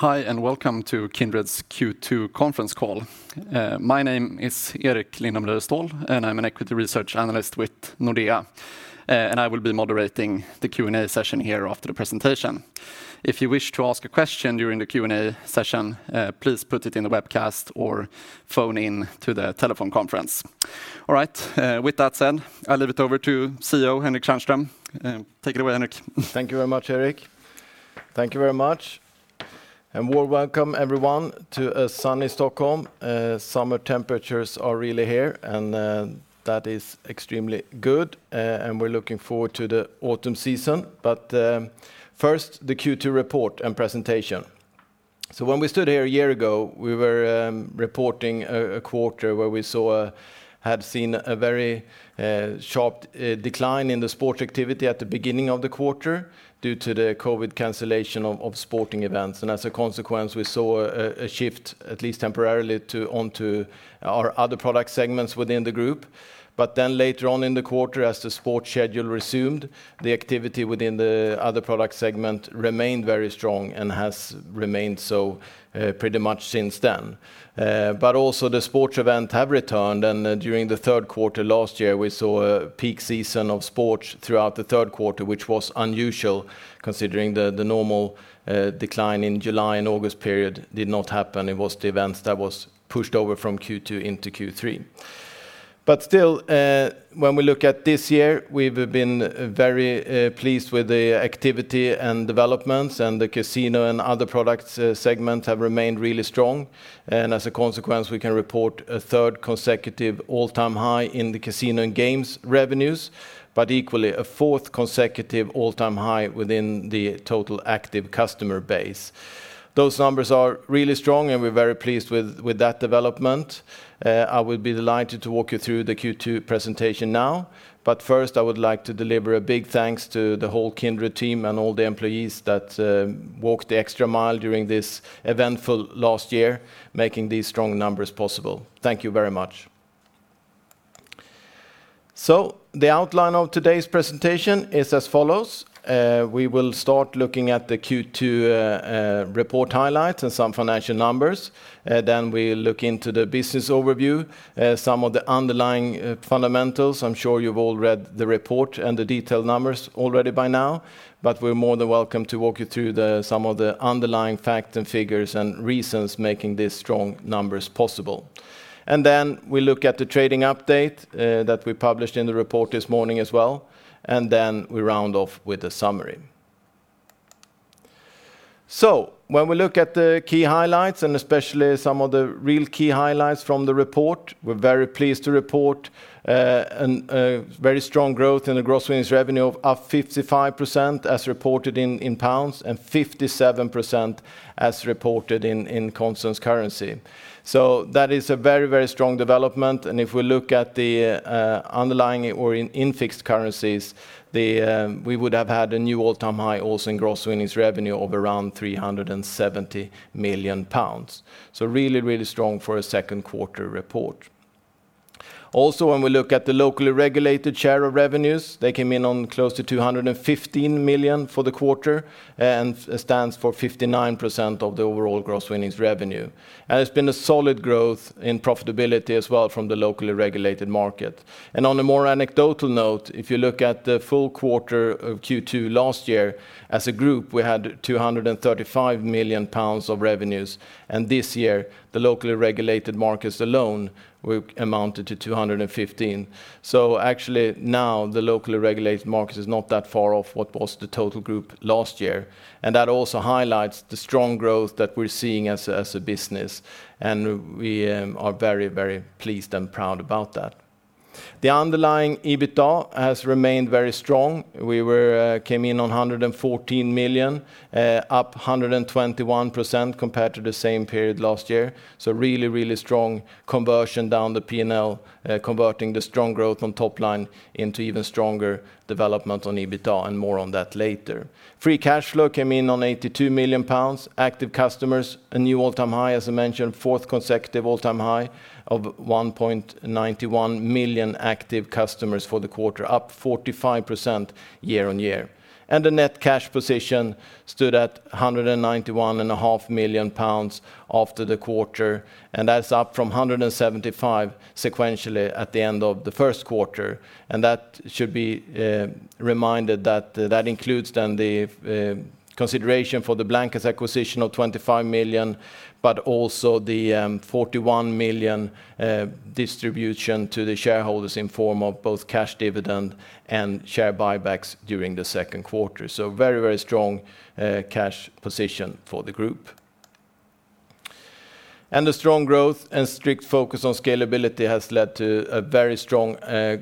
Hi, and welcome to Kindred's Q2 conference call. My name is Erik Lindahl, and I'm an equity research analyst with Nordea. I will be moderating the Q&A session here after the presentation. If you wish to ask a question during the Q&A session, please put it in the webcast or phone in to the telephone conference. All right. With that said, I'll leave it over to CEO Henrik Tjärnström. Take it away, Henrik. Thank you very much, Erik. Thank you very much. Warm welcome everyone, to a sunny Stockholm. Summer temperatures are really here. That is extremely good. We're looking forward to the autumn season. First, the Q2 report and presentation. When we stood here a year ago, we were reporting a quarter where we had seen a very sharp decline in the sports activity at the beginning of the quarter due to the COVID cancellation of sporting events. As a consequence, we saw a shift, at least temporarily, onto our other product segments within the group. Later on in the quarter, as the sports schedule resumed, the activity within the other product segment remained very strong and has remained so pretty much since then. Also the sports event have returned, and during the third quarter last year, we saw a peak season of sports throughout the third quarter, which was unusual considering the normal decline in July and August period did not happen. It was the events that was pushed over from Q2 into Q3. Still, when we look at this year, we've been very pleased with the activity and developments, and the casino and other products segment have remained really strong. As a consequence, we can report a third consecutive all-time high in the casino and games revenues, but equally, a fourth consecutive all-time high within the total active customer base. Those numbers are really strong, and we're very pleased with that development. I will be delighted to walk you through the Q2 presentation now. First, I would like to deliver a big thanks to the whole Kindred team and all the employees that walked the extra mile during this eventful last year, making these strong numbers possible. Thank you very much. The outline of today's presentation is as follows. We will start looking at the Q2 report highlights and some financial numbers. We look into the business overview, some of the underlying fundamentals. I'm sure you've all read the report and the detailed numbers already by now. We're more than welcome to walk you through some of the underlying facts and figures and reasons making these strong numbers possible. We look at the trading update that we published in the report this morning as well. We round off with a summary. When we look at the key highlights and especially some of the real key highlights from the report, we're very pleased to report a very strong growth in the Gross winnings revenue of up 55% as reported in GBP, and 57% as reported in constant currency. That is a very strong development. If we look at the underlying or in fixed currencies, we would have had a new all-time high also in Gross winnings revenue of around 370 million pounds. Really strong for a second quarter report. Also, when we look at the locally regulated share of revenues, they came in on close to 215 million for the quarter and stands for 59% of the overall Gross winnings revenue. It's been a solid growth in profitability as well from the locally regulated market. On a more anecdotal note, if you look at the full quarter of Q2 last year, as a group, we had 235 million pounds of revenues, and this year the locally regulated markets alone amounted to 215 million. Actually now the locally regulated market is not that far off what was the total group last year, and that also highlights the strong growth that we're seeing as a business, and we are very pleased and proud about that. The underlying EBITDA has remained very strong. We came in on 114 million, up 121% compared to the same period last year. Really strong conversion down the P&L, converting the strong growth on top line into even stronger development on EBITDA and more on that later. Free cash flow came in on 82 million pounds. Active customers, a new all-time high, as I mentioned, fourth consecutive all-time high of 1.91 million active customers for the quarter, up 45% year-over-year. The net cash position stood at 191.5 million pounds after the quarter, and that's up from 175 million sequentially at the end of the first quarter. That should be reminded that includes the consideration for the Blancas acquisition of 25 million, but also the 41 million distribution to the shareholders in form of both cash dividend and share buybacks during the second quarter. Very strong cash position for the group. The strong growth and strict focus on scalability has led to a very strong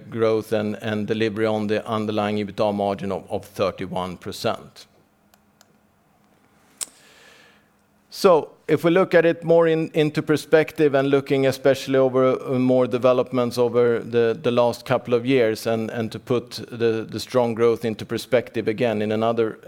growth and delivery on the underlying EBITDA margin of 31%. If we look at it more into perspective and looking especially over more developments over the last couple of years, and to put the strong growth into perspective again in another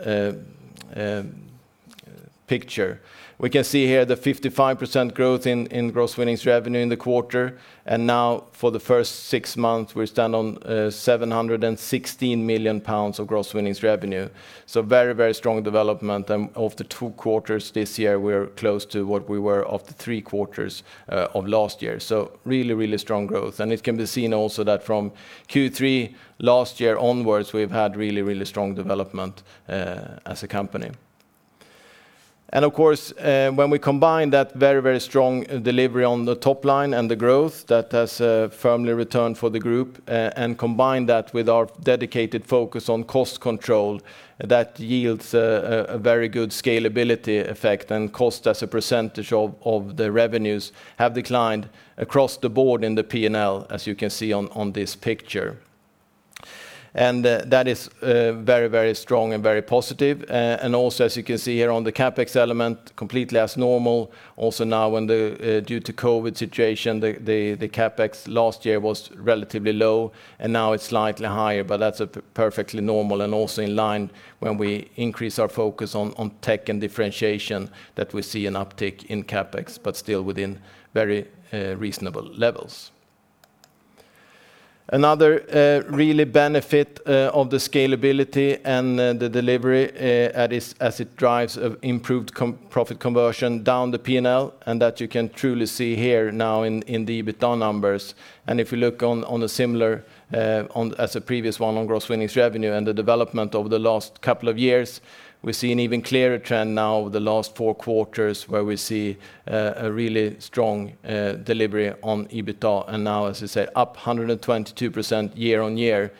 picture. We can see here the 55% growth in gross winnings revenue in the quarter. Now for the first six months, we stand on 716 million pounds of gross winnings revenue. Very strong development and of the two quarters this year, we're close to what we were of the three quarters of last year. Really strong growth. It can be seen also that from Q3 last year onwards, we've had really strong development as a company. Of course, when we combine that very strong delivery on the top line and the growth that has firmly returned for the group, and combine that with our dedicated focus on cost control, that yields a very good scalability effect, and cost as a percentage of the revenues have declined across the board in the P&L, as you can see on this picture. That is very strong and very positive. Also, as you can see here on the CapEx element, completely as normal. Also now due to COVID situation, the CapEx last year was relatively low, and now it's slightly higher, but that's perfectly normal and also in line when we increase our focus on tech and differentiation that we see an uptick in CapEx, but still within very reasonable levels. Another really benefit of the scalability and the delivery as it drives improved profit conversion down the P&L. That you can truly see here now in the EBITDA numbers. If you look on a similar, as a previous one on Gross winnings revenue and the development over the last couple of years, we see an even clearer trend now the last four quarters where we see a really strong delivery on EBITDA. Now, as I said, up 122% year-on-year.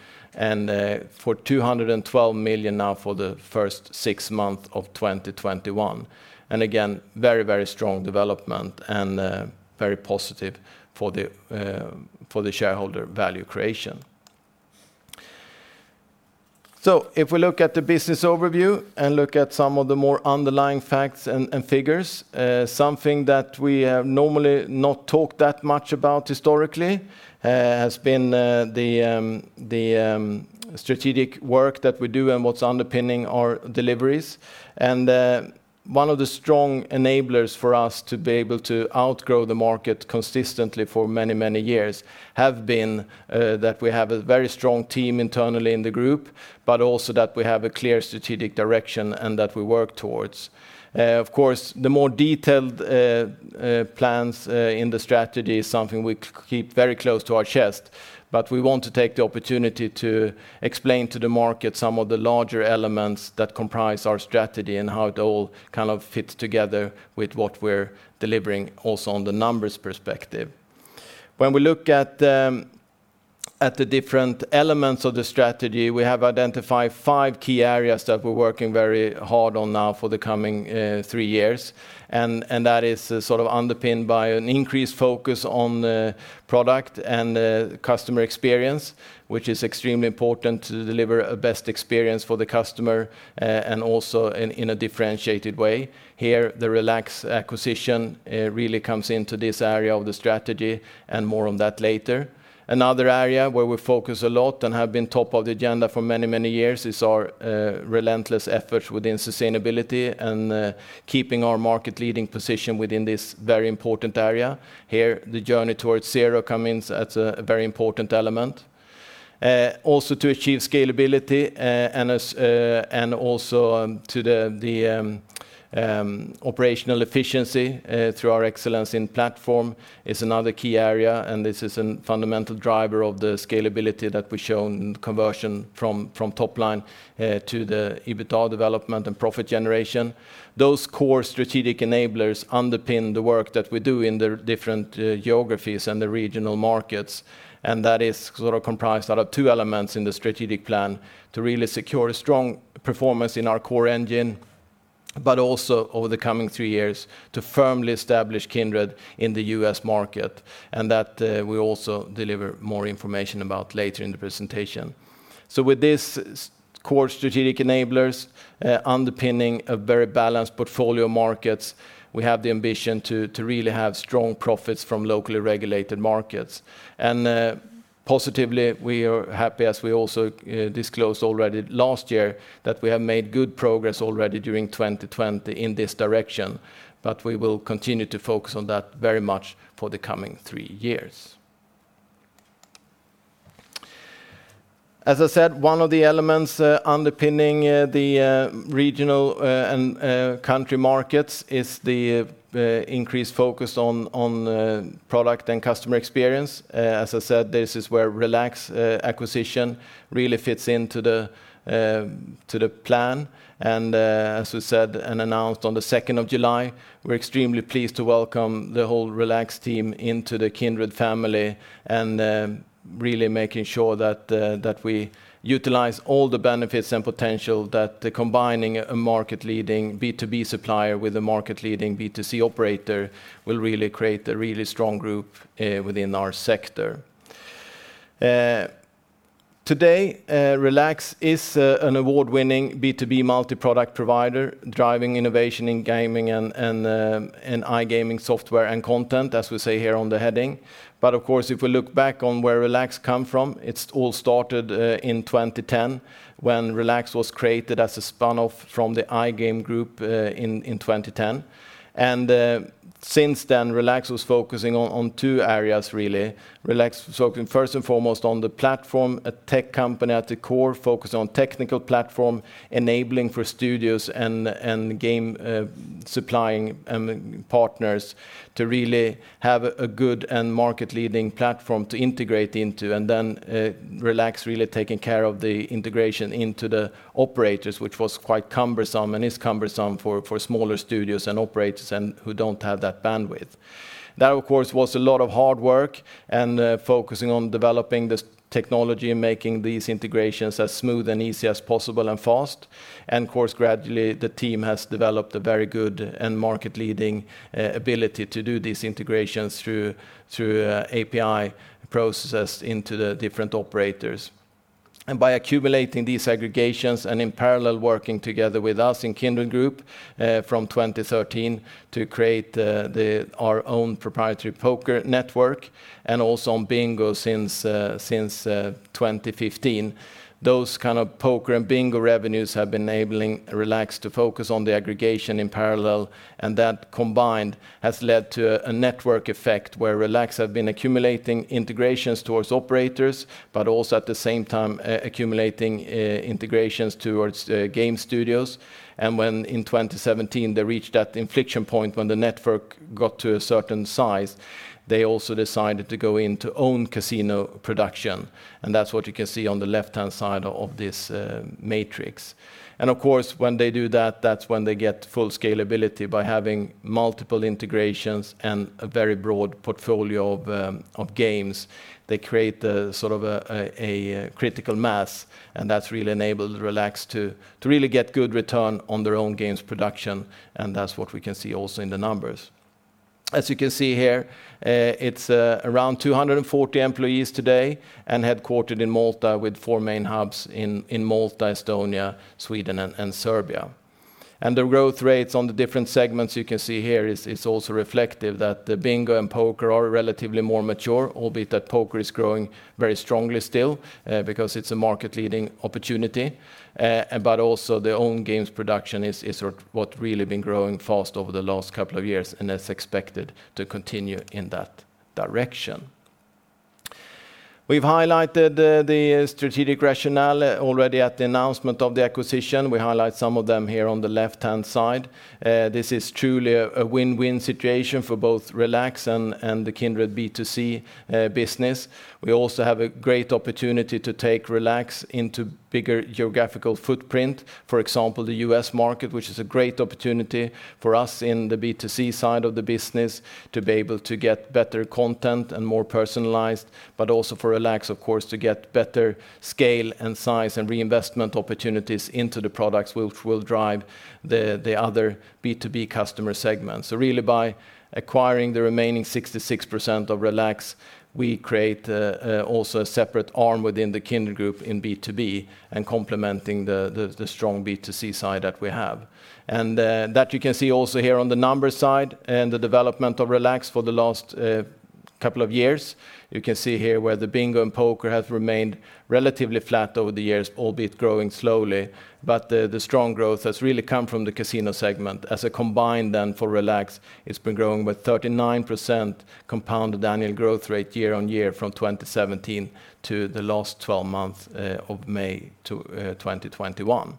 For 212 million now for the first six months of 2021. Again, very strong development and very positive for the shareholder value creation. If we look at the business overview and look at some of the more underlying facts and figures, something that we have normally not talked that much about historically, has been the strategic work that we do and what's underpinning our deliveries. One of the strong enablers for us to be able to outgrow the market consistently for many years have been that we have a very strong team internally in the group, but also that we have a clear strategic direction and that we work towards. The more detailed plans in the strategy is something we keep very close to our chest, but we want to take the opportunity to explain to the market some of the larger elements that comprise our strategy and how it all kind of fits together with what we're delivering also on the numbers perspective. When we look at the different elements of the strategy, we have identified five key areas that we're working very hard on now for the coming three years. That is underpinned by an increased focus on product and customer experience, which is extremely important to deliver a best experience for the customer, and also in a differentiated way. Here, the Relax acquisition really comes into this area of the strategy. More on that later. Another area where we focus a lot and have been top of the agenda for many years is our relentless efforts within sustainability and keeping our market leading position within this very important area. Here, the Journey Towards Zero comes in as a very important element. Also to achieve scalability and also to the operational efficiency through our excellence in platform is another key area, and this is a fundamental driver of the scalability that we've shown conversion from top-line to the EBITDA development and profit generation. Those core strategic enablers underpin the work that we do in the different geographies and the regional markets, and that is sort of comprised out of two elements in the strategic plan to really secure a strong performance in our core engine, but also over the coming 3 years to firmly establish Kindred in the U.S. market, and that we also deliver more information about later in the presentation. With this core strategic enablers underpinning a very balanced portfolio markets, we have the ambition to really have strong profits from locally regulated markets. Positively, we are happy, as we also disclosed already last year, that we have made good progress already during 2020 in this direction, we will continue to focus on that very much for the coming three years. As I said, one of the elements underpinning the regional and country markets is the increased focus on product and customer experience. As I said, this is where Relax acquisition really fits into the plan. As we said and announced on the 2nd of July, we're extremely pleased to welcome the whole Relax team into the Kindred family and really making sure that we utilize all the benefits and potential that combining a market-leading B2B supplier with a market-leading B2C operator will really create a really strong group within our sector. Today, Relax is an award-winning B2B multi-product provider, driving innovation in gaming and iGaming software and content, as we say here on the heading. Of course, if we look back on where Relax come from, it all started in 2010. When Relax was created as a spinoff from the iGame Group in 2010. Since then Relax was focusing on 2 areas really. Relax was focusing first and foremost on the platform, a tech company at the core focused on technical platform enabling for studios and game supplying partners to really have a good and market-leading platform to integrate into. Then Relax really taking care of the integration into the operators, which was quite cumbersome and is cumbersome for smaller studios and operators who don't have that bandwidth. That of course, was a lot of hard work and focusing on developing this technology and making these integrations as smooth and easy as possible and fast. Of course, gradually the team has developed a very good and market-leading ability to do these integrations through API processes into the different operators. By accumulating these aggregations and in parallel working together with us in Kindred Group from 2013 to create our own proprietary poker network and also on bingo since 2015. Those kind of poker and bingo revenues have been enabling Relax to focus on the aggregation in parallel, and that combined has led to a network effect where Relax have been accumulating integrations towards operators, but also at the same time accumulating integrations towards game studios. When in 2017 they reached that inflection point when the network got to a certain size, they also decided to go into own casino production. That's what you can see on the left-hand side of this matrix. Of course, when they do that's when they get full scalability by having multiple integrations and a very broad portfolio of games. They create a critical mass, and that's really enabled Relax to really get good return on their own games production. That's what we can see also in the numbers. As you can see here, it's around 240 employees today and headquartered in Malta with 4 main hubs in Malta, Estonia, Sweden, and Serbia. The growth rates on the different segments you can see here is also reflective that the bingo and poker are relatively more mature, albeit that poker is growing very strongly still because it's a market-leading opportunity. Also the own games production is what really been growing fast over the last couple of years and is expected to continue in that direction. We've highlighted the strategic rationale already at the announcement of the acquisition. We highlight some of them here on the left-hand side. This is truly a win-win situation for both Relax and the Kindred B2C business. We also have a great opportunity to take Relax into bigger geographical footprint. For example, the U.S. market, which is a great opportunity for us in the B2C side of the business to be able to get better content and more personalized, but also for Relax, of course, to get better scale and size and reinvestment opportunities into the products which will drive the other B2B customer segments. Really by acquiring the remaining 66% of Relax, we create also a separate arm within the Kindred Group in B2B and complementing the strong B2C side that we have. That you can see also here on the numbers side and the development of Relax for the last couple of years. You can see here where the bingo and poker have remained relatively flat over the years, albeit growing slowly, but the strong growth has really come from the casino segment as a combined then for Relax, it's been growing with 39% compound annual growth rate year-on-year from 2017 to the last 12 months of May 2021.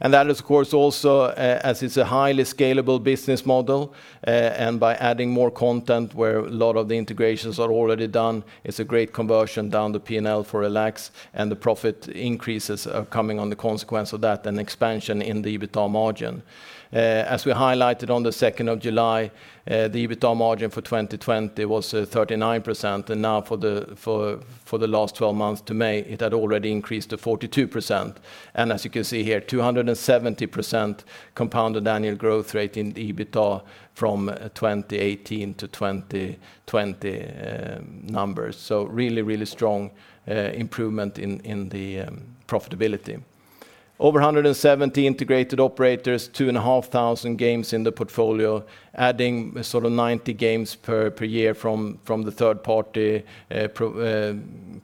That of course also as it's a highly scalable business model, and by adding more content where a lot of the integrations are already done, it's a great conversion down the P&L for Relax and the profit increases are coming on the consequence of that, an expansion in the EBITDA margin. As we highlighted on the 2nd of July, the EBITDA margin for 2020 was 39%. Now for the last 12 months to May, it had already increased to 42%. As you can see here, 270% compounded annual growth rate in the EBITDA from 2018 to 2020 numbers. Really strong improvement in the profitability. Over 170 integrated operators, 2,500 games in the portfolio, adding sort of 90 games per year from the third-party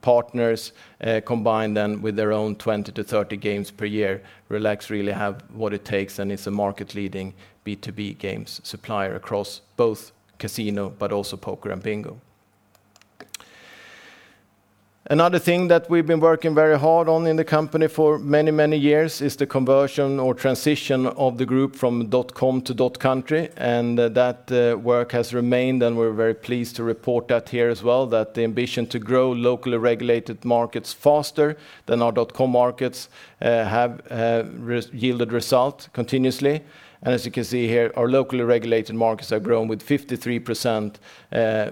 partners combined then with their own 20 to 30 games per year, Relax really have what it takes, and it's a market-leading B2B games supplier across both casino but also poker and bingo. Another thing that we've been working very hard on in the company for many years is the conversion or transition of the group from .com to .country. That work has remained, and we're very pleased to report that here as well, that the ambition to grow locally regulated markets faster than our .com markets have yielded results continuously. As you can see here, our locally regulated markets have grown with 53%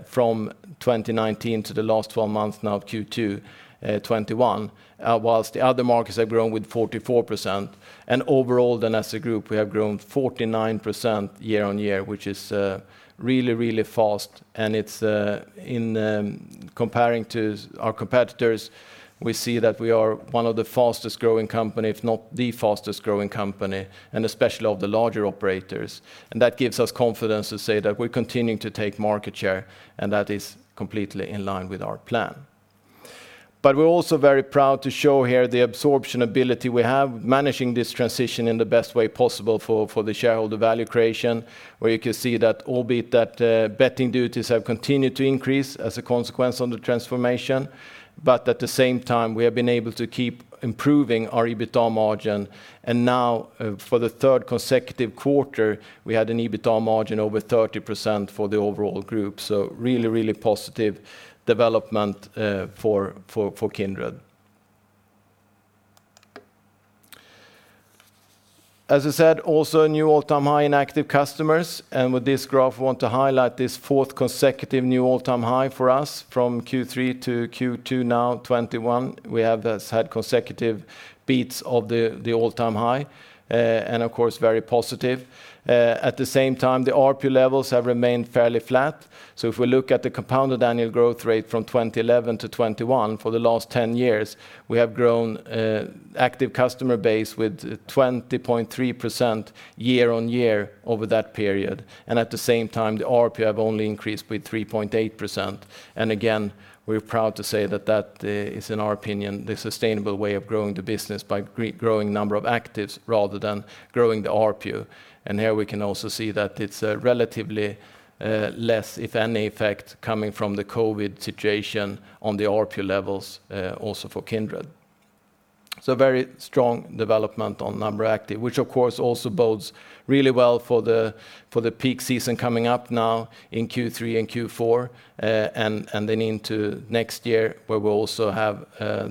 from 2019 to the last 12 months now of Q2 2021, while the other markets have grown with 44%. Overall then as a group, we have grown 49% year-on-year, which is really fast, and in comparing to our competitors, we see that we are one of the fastest-growing company, if not the fastest-growing company, and especially of the larger operators. That gives us confidence to say that we're continuing to take market share, and that is completely in line with our plan. We're also very proud to show here the absorption ability we have managing this transition in the best way possible for the shareholder value creation, where you can see that albeit that betting duties have continued to increase as a consequence of the transformation. At the same time, we have been able to keep improving our EBITDA margin. Now, for the third consecutive quarter, we had an EBITDA margin over 30% for the overall group. Really positive development for Kindred. As I said, also a new all-time high in active customers. With this graph, we want to highlight this fourth consecutive new all-time high for us from Q3 to Q2 now 2021. We have had consecutive beats of the all-time high. Of course, very positive. At the same time, the ARPU levels have remained fairly flat. If we look at the compounded annual growth rate from 2011 to 2021, for the last 10 years, we have grown active customer base with 20.3% year-over-year over that period. At the same time, the ARPU have only increased with 3.8%. Again, we're proud to say that is, in our opinion, the sustainable way of growing the business by growing number of actives rather than growing the ARPU. Here we can also see that it's relatively less, if any effect, coming from the COVID situation on the ARPU levels also for Kindred Group. Very strong development on number active, which of course also bodes really well for the peak season coming up now in Q3 and Q4, and then into next year, where we'll also have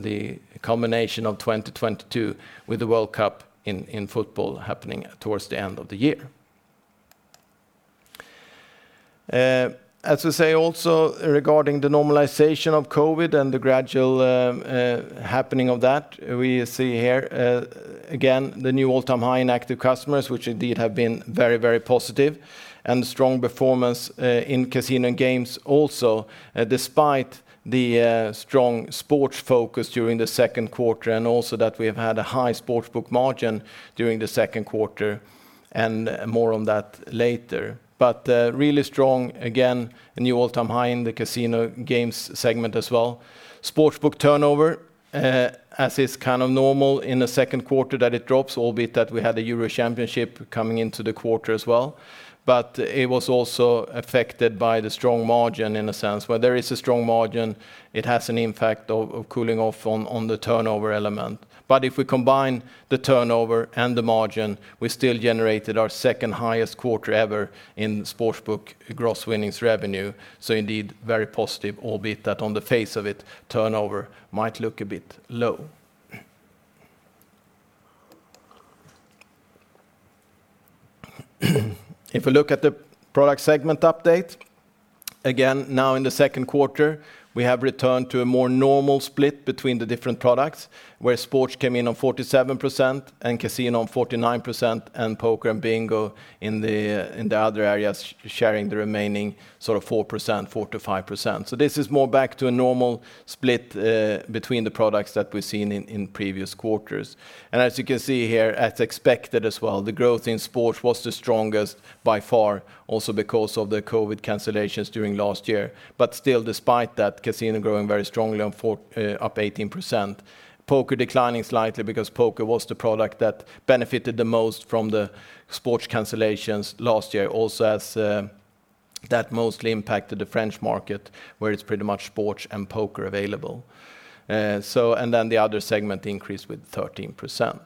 the combination of 2022 with the World Cup in football happening towards the end of the year. As we say, also regarding the normalization of COVID and the gradual happening of that, we see here, again, the new all-time high in active customers, which indeed have been very positive. Strong performance in casino and games also, despite the strong sports focus during the second quarter, and also that we have had a high sports book margin during the second quarter, and more on that later. Really strong, again, a new all-time high in the casino games segment as well. Sports book turnover, as is kind of normal in the second quarter that it drops, albeit that we had the Euro championship coming into the quarter as well. It was also affected by the strong margin, in a sense. Where there is a strong margin, it has an impact of cooling off on the turnover element. If we combine the turnover and the margin, we still generated our second-highest quarter ever in sports book gross winnings revenue. Indeed, very positive, albeit that on the face of it, turnover might look a bit low. If we look at the product segment update, again, now in the second quarter, we have returned to a more normal split between the different products, where sports came in on 47% and casino on 49%, and poker and bingo in the other areas, sharing the remaining 4% to 5%. This is more back to a normal split between the products that we've seen in previous quarters. As you can see here, as expected as well, the growth in sports was the strongest by far, also because of the COVID cancellations during last year. Still, despite that, casino growing very strongly on up 18%. Poker declining slightly because poker was the product that benefited the most from the sports cancellations last year. Also as that mostly impacted the French market, where it's pretty much sports and poker available. The other segment increased with 13%.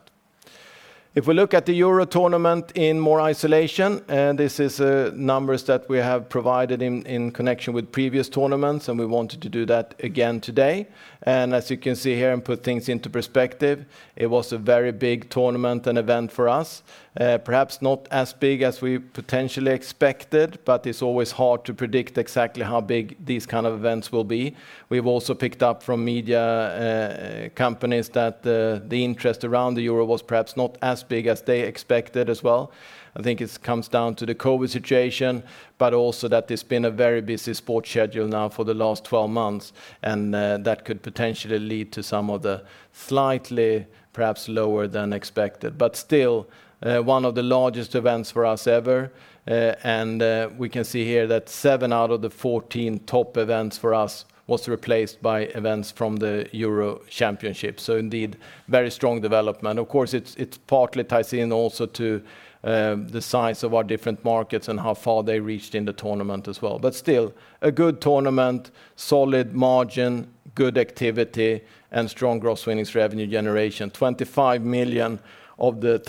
If we look at the UEFA EURO 2020 in more isolation, this is numbers that we have provided in connection with previous tournaments, and we wanted to do that again today. As you can see here, and put things into perspective, it was a very big tournament and event for us. Perhaps not as big as we potentially expected, but it's always hard to predict exactly how big these kind of events will be. We've also picked up from media companies that the interest around the UEFA EURO 2020 was perhaps not as big as they expected as well. I think it comes down to the COVID situation, but also that it's been a very busy sports schedule now for the last 12 months, and that could potentially lead to some of the slightly perhaps lower than expected. Still, one of the largest events for us ever. We can see here that seven out of the 14 top events for us was replaced by events from the Euro Championship. Indeed, very strong development. Of course, it partly ties in also to the size of our different markets and how far they reached in the tournament as well. Still, a good tournament, solid margin, good activity, and strong gross winnings revenue generation. 25 million of the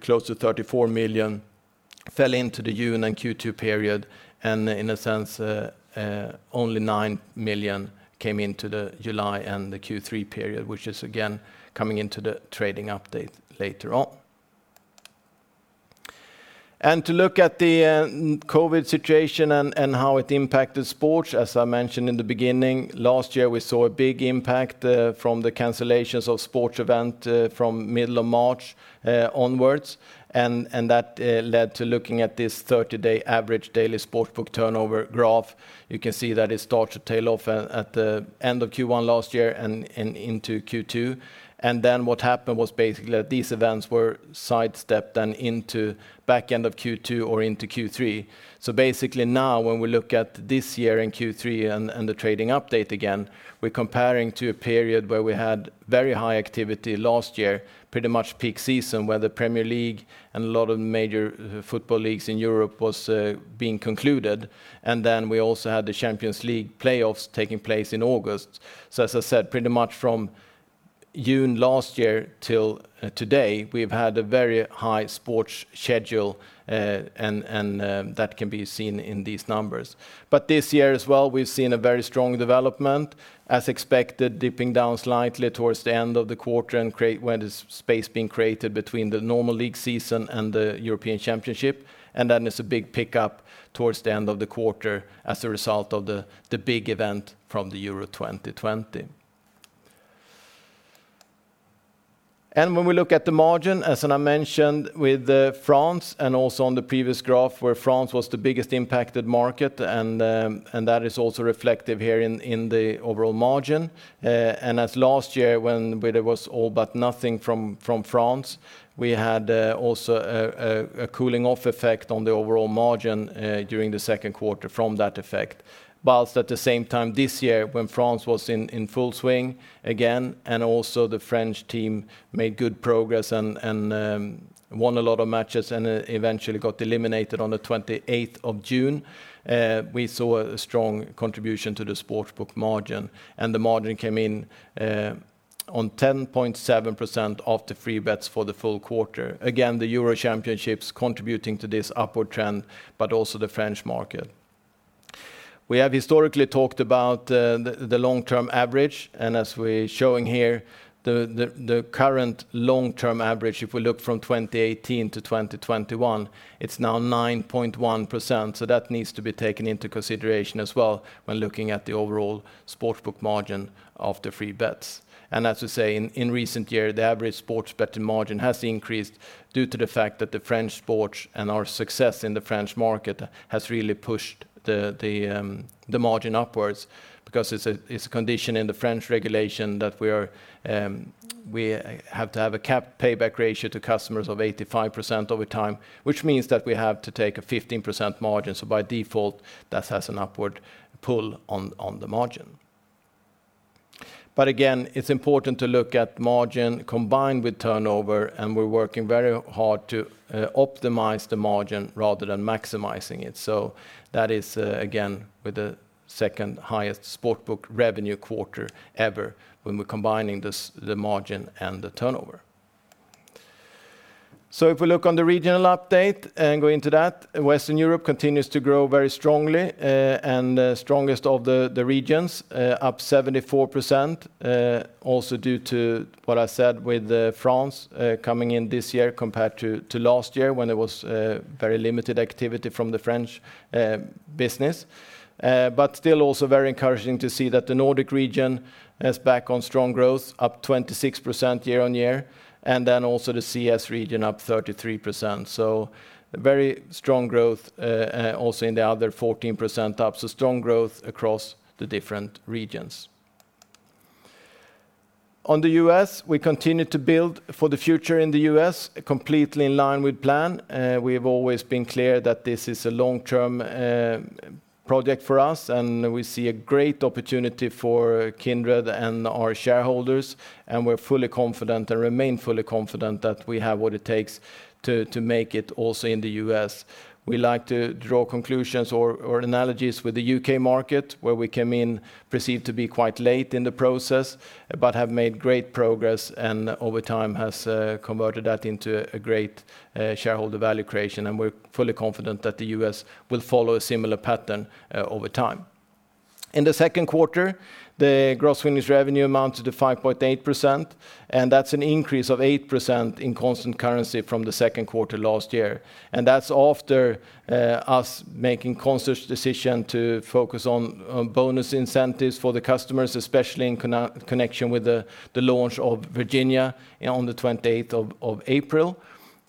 close to 34 million fell into the June and Q2 period. In a sense, only 9 million came into the July and the Q3 period, which is again coming into the trading update later on. To look at the COVID situation and how it impacted sports, as I mentioned in the beginning, last year, we saw a big impact from the cancellations of sports event from middle of March onwards. That led to looking at this 30-day average daily Sportsbook turnover graph. You can see that it starts to tail off at the end of Q1 last year and into Q2. What happened was basically that these events were sidestepped and into back end of Q2 or into Q3. Basically now when we look at this year in Q3 and the trading update again, we're comparing to a period where we had very high activity last year, pretty much peak season, where the Premier League and a lot of major football leagues in Europe was being concluded. We also had the Champions League playoffs taking place in August. As I said, pretty much from June last year till today, we've had a very high sports schedule, and that can be seen in these numbers. This year as well, we've seen a very strong development, as expected, dipping down slightly towards the end of the quarter when this space being created between the normal league season and the European Championship. Then it's a big pickup towards the end of the quarter as a result of the big event from the EURO 2020. When we look at the margin, as I mentioned with France and also on the previous graph where France was the biggest impacted market, and that is also reflective here in the overall margin. As last year, when there was all but nothing from France, we had also a cooling off effect on the overall margin, during the second quarter from that effect. At the same time this year, when France was in full swing again, and also the French team made good progress and won a lot of matches and eventually got eliminated on the 28th of June, we saw a strong contribution to the Sportsbook margin, and the margin came in on 10.7% of the free bets for the full quarter, again, the Euro Championships contributing to this upward trend, but also the French market. We have historically talked about the long-term average, and as we're showing here, the current long-term average, if we look from 2018 to 2021, it's now 9.1%. That needs to be taken into consideration as well when looking at the overall Sportsbook margin of the free bets. As we say, in recent year, the average sports betting margin has increased due to the fact that the French sports and our success in the French market has really pushed the margin upwards because it's a condition in the French regulation that we have to have a capped payback ratio to customers of 85% over time, which means that we have to take a 15% margin. By default, that has an upward pull on the margin. Again, it's important to look at margin combined with turnover, and we're working very hard to optimize the margin rather than maximizing it. That is, again, with the 2nd highest Sportsbook revenue quarter ever when we're combining the margin and the turnover. If we look on the regional update and go into that, Western Europe continues to grow very strongly and strongest of the regions, up 74%, also due to what I said with France coming in this year compared to last year when there was very limited activity from the French business. Still also very encouraging to see that the Nordic region is back on strong growth, up 26% year-on-year, and then also the CES region up 33%. Very strong growth, also in the other 14% up. Strong growth across the different regions. On the U.S., we continue to build for the future in the U.S., completely in line with plan. We have always been clear that this is a long-term project for us, and we see a great opportunity for Kindred and our shareholders, and we're fully confident and remain fully confident that we have what it takes to make it also in the U.S. We like to draw conclusions or analogies with the U.K. market, where we came in perceived to be quite late in the process, but have made great progress and over time has converted that into a great shareholder value creation, and we're fully confident that the U.S. will follow a similar pattern over time. In the second quarter, the Gross winnings revenue amounted to 5.8%, and that's an increase of 8% in constant currency from the second quarter last year. That's after us making conscious decision to focus on bonus incentives for the customers, especially in connection with the launch of Virginia on the 28th of April.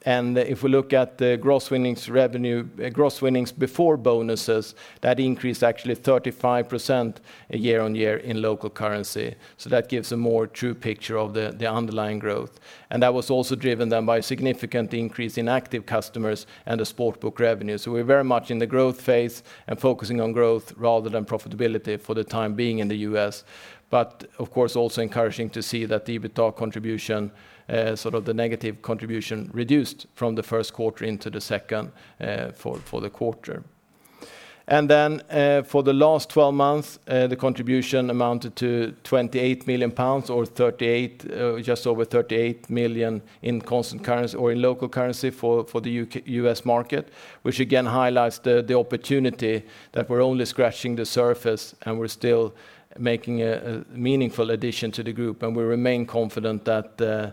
If we look at the Gross winnings before bonuses, that increased actually 35% year-on-year in local currency. That gives a more true picture of the underlying growth. That was also driven then by a significant increase in active customers and the Sportsbook revenue. We're very much in the growth phase and focusing on growth rather than profitability for the time being in the U.S. Of course, also encouraging to see that the EBITDA contribution, sort of the negative contribution reduced from the first quarter into the second, for the quarter. For the last 12 months, the contribution amounted to 28 million pounds or just over $38 million in constant currency or in local currency for the U.S. market, which again highlights the opportunity that we're only scratching the surface and we're still making a meaningful addition to the group. We remain confident that the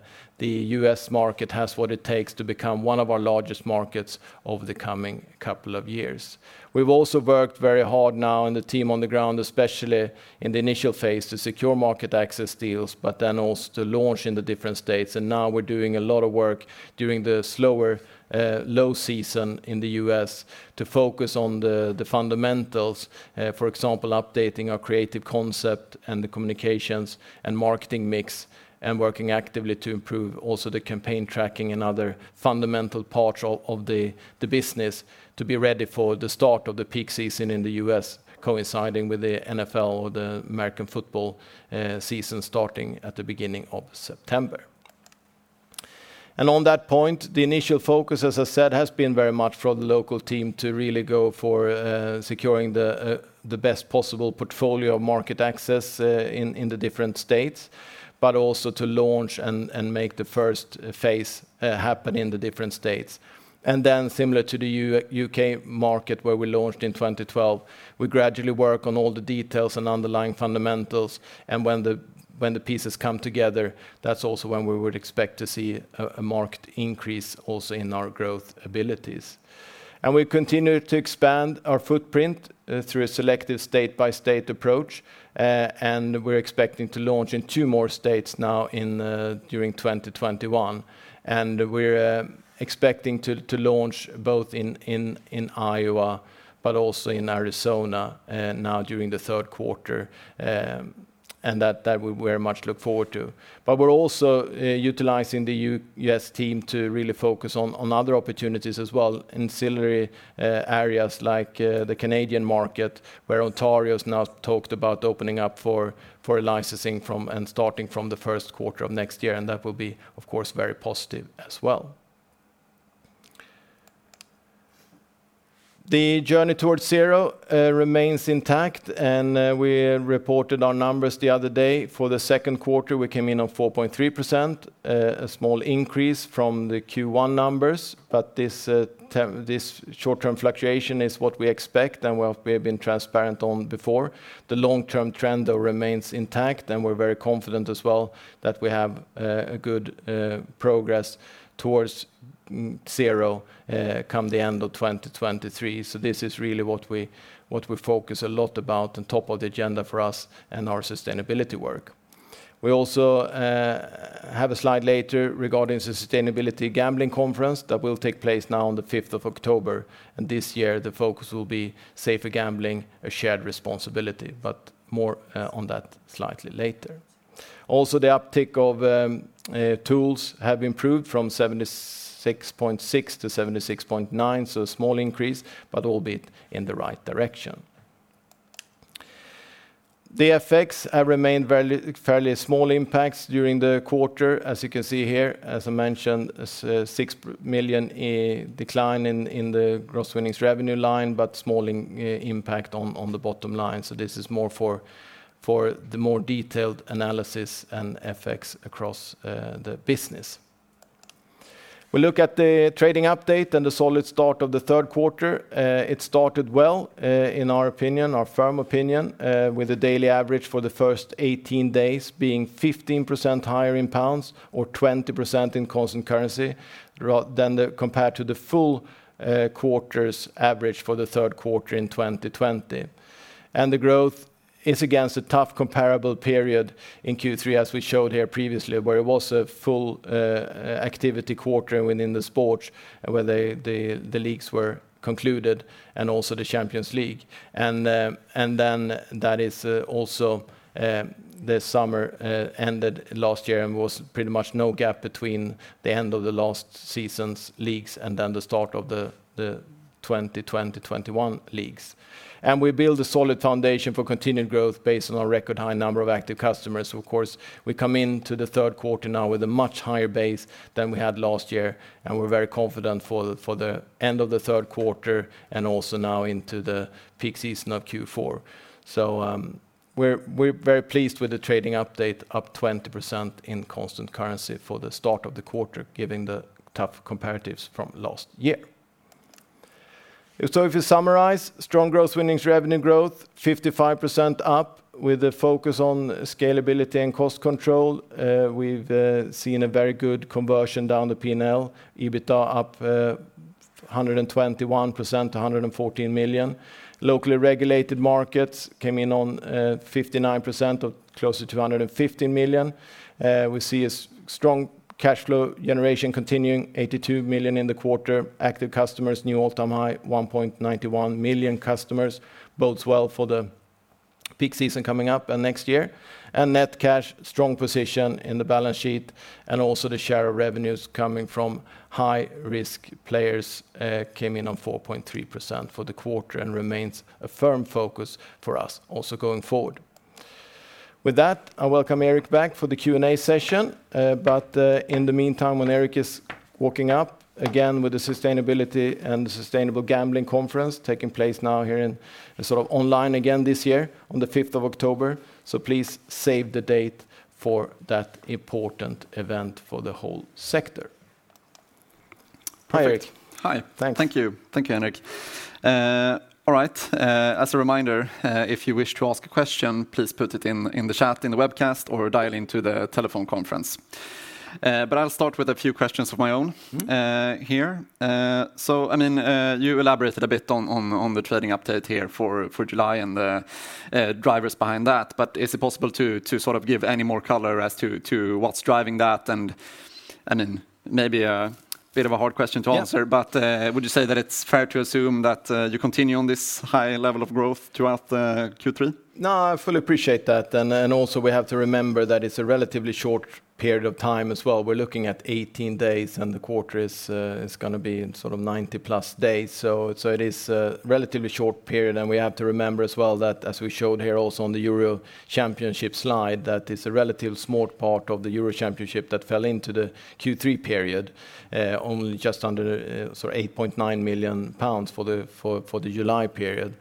U.S. market has what it takes to become one of our largest markets over the coming couple of years. We've also worked very hard now, and the team on the ground, especially in the initial phase, to secure market access deals, but then also to launch in the different states. Now we're doing a lot of work during the slower low season in the U.S. to focus on the fundamentals. For example, updating our creative concept and the communications and marketing mix, and working actively to improve also the campaign tracking and other fundamental parts of the business to be ready for the start of the peak season in the U.S., coinciding with the NFL or the American football season starting at the beginning of September. On that point, the initial focus, as I said, has been very much for the local team to really go for securing the best possible portfolio market access in the different states, but also to launch and make the first phase happen in the different states. Similar to the U.K. market where we launched in 2012, we gradually work on all the details and underlying fundamentals and when the pieces come together, that's also when we would expect to see a marked increase also in our growth abilities. We continue to expand our footprint through a selective state-by-state approach. We're expecting to launch in two more states now during 2021. We're expecting to launch both in Iowa but also in Arizona now during the third quarter. That we very much look forward to. We're also utilizing the U.S. team to really focus on other opportunities as well, ancillary areas like the Canadian market where Ontario's now talked about opening up for licensing and starting from the first quarter of next year. That will be, of course, very positive as well. The Journey Towards Zero remains intact, and we reported our numbers the other day. For the second quarter, we came in on 4.3%, a small increase from the Q1 numbers. This short-term fluctuation is what we expect and what we have been transparent on before. The long-term trend, though, remains intact, and we're very confident as well that we have a good progress towards zero come the end of 2023. This is really what we focus a lot about on top of the agenda for us and our sustainability work. We also have a slide later regarding Sustainable Gambling Conference that will take place now on the 5th of October. This year the focus will be safer gambling, a shared responsibility, but more on that slightly later. The uptick of tools have improved from 76.6 to 76.9, so a small increase, but albeit in the right direction. The effects have remained fairly small impacts during the quarter. As you can see here, as I mentioned, a 6 million decline in the gross winnings revenue line, but small impact on the bottom line. This is more for the more detailed analysis and effects across the business. We look at the trading update and the solid start of the third quarter. It started well, in our firm opinion, with the daily average for the first 18 days being 15% higher in GBP or 20% in constant currency, compared to the full quarter's average for the third quarter in 2020. The growth is against a tough comparable period in Q3, as we showed here previously, where it was a full activity quarter within the sports where the leagues were concluded and also the Champions League. That is also this summer ended last year and was pretty much no gap between the end of the last season's leagues and the start of the 2020-21 leagues. We build a solid foundation for continued growth based on our record high number of active customers. Of course, we come into the third quarter now with a much higher base than we had last year, and we're very confident for the end of the third quarter and also now into the peak season of Q4. We're very pleased with the trading update, up 20% in constant currency for the start of the quarter, given the tough comparatives from last year. If you summarize, strong Gross winnings revenue growth 55% up with the focus on scalability and cost control. We've seen a very good conversion down the P&L. EBITDA up 121% to 114 million. Locally regulated markets came in on 59% of closer to 115 million. We see a strong cash flow generation continuing, 82 million in the quarter. Active customers, new all-time high, 1.91 million customers. Bodes well for the peak season coming up and next year. Net cash, strong position in the balance sheet and also the share of revenues coming from high-risk players came in on 4.3% for the quarter and remains a firm focus for us also going forward. With that, I welcome Erik back for the Q&A session. In the meantime, when Erik is walking up, again, with the Sustainability and Sustainable Gambling Conference taking place now here and sort of online again this year on the 5th October. Please save the date for that important event for the whole sector. Hi, Erik. Perfect. Hi. Thanks. Thank you. Thank you, Henrik. All right. As a reminder, if you wish to ask a question, please put it in the chat, in the webcast, or dial into the telephone conference. I'll start with a few questions of my own. here. You elaborated a bit on the trading update here for July and the drivers behind that. Is it possible to give any more color as to what's driving that? Maybe a bit of a hard question to answer. Yeah Would you say that it's fair to assume that you continue on this high level of growth throughout the Q3? No, I fully appreciate that. Also we have to remember that it's a relatively short period of time as well. We're looking at 18 days, and the quarter is going to be sort of 90+ days. It is a relatively short period. We have to remember as well that as we showed here also on the Euro Championship slide, that it's a relative small part of the Euro Championship that fell into the Q3 period. Only just under sort of 8.9 million pounds for the July period.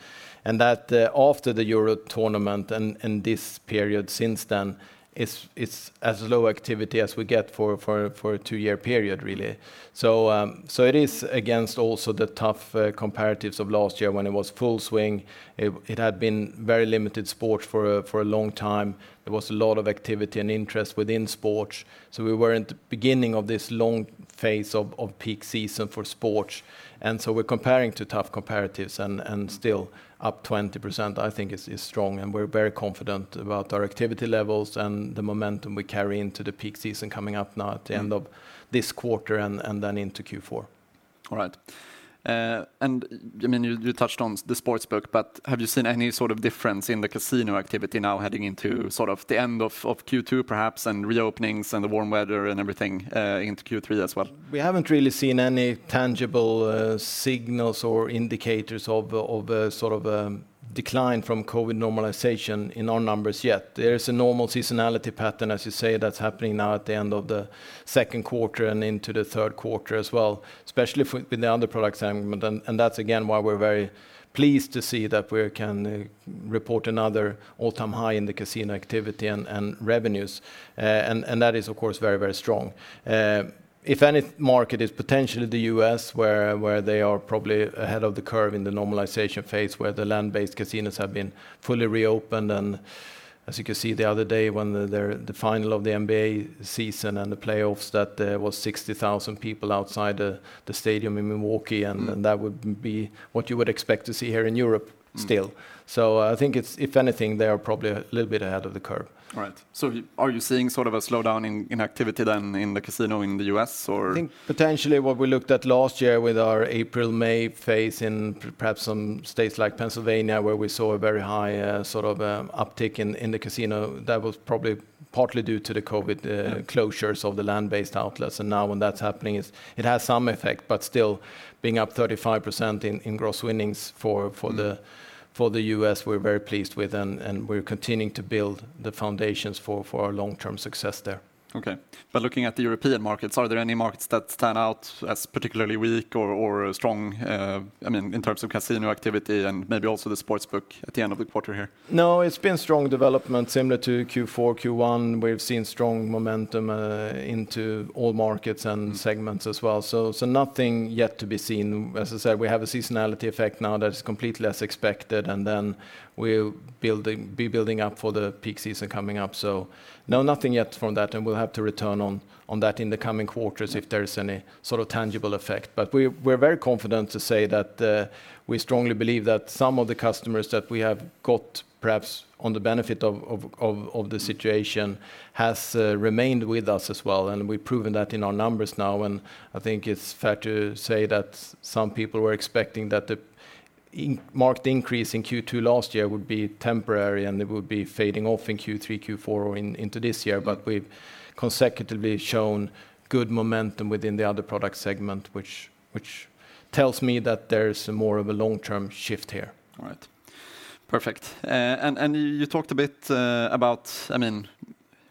That after the Euro tournament and this period since then, it's as low activity as we get for a two-year period, really. It is against also the tough comparatives of last year when it was full swing. It had been very limited sport for a long time. There was a lot of activity and interest within sports. We were in the beginning of this long phase of peak season for sports, and so we're comparing to tough comparatives and still up 20%, I think is strong, and we're very confident about our activity levels and the momentum we carry into the peak season coming up now at the end of this quarter and then into Q4. All right. You touched on the sportsbook. Have you seen any sort of difference in the casino activity now heading into the end of Q2 perhaps, and reopenings and the warm weather and everything into Q3 as well? We haven't really seen any tangible signals or indicators of a decline from COVID normalization in our numbers yet. There is a normal seasonality pattern, as you say, that's happening now at the end of the second quarter and into the third quarter as well, especially with the Other Products segment. That's again why we're very pleased to see that we can report another all-time high in the casino activity and revenues. That is, of course, very strong. If any market is potentially the U.S., where they are probably ahead of the curve in the normalization phase, where the land-based casinos have been fully reopened, and as you can see, the other day when the final of the NBA season and the playoffs that there was 60,000 people outside the stadium in Milwaukee. That would be what you would expect to see here in Europe still. I think if anything, they are probably a little bit ahead of the curve. Right. Are you seeing sort of a slowdown in activity then in the casino in the U.S., or? I think potentially what we looked at last year with our April-May phase in perhaps some states like Pennsylvania, where we saw a very high uptick in the casino, that was probably partly due to the COVID- Yeah closures of the land-based outlets. Now when that's happening, it has some effect, but still being up 35% in gross winnings for the U.S., we're very pleased with, and we're continuing to build the foundations for our long-term success there. Okay. Looking at the European markets, are there any markets that stand out as particularly weak or strong in terms of casino activity and maybe also the sportsbook at the end of the quarter here? No, it's been strong development similar to Q4, Q1. We've seen strong momentum into all markets and segments as well. Nothing yet to be seen. As I said, we have a seasonality effect now that is completely as expected, and then we'll be building up for the peak season coming up. No, nothing yet from that, and we'll have to return on that in the coming quarters if there is any sort of tangible effect. We're very confident to say that we strongly believe that some of the customers that we have got, perhaps on the benefit of the situation, has remained with us as well, and we've proven that in our numbers now. I think it's fair to say that some people were expecting that the marked increase in Q2 last year would be temporary, and it would be fading off in Q3, Q4, or into this year. We've consecutively shown good momentum within the Other Products Segment, which tells me that there's more of a long-term shift here. All right. Perfect. You talked a bit about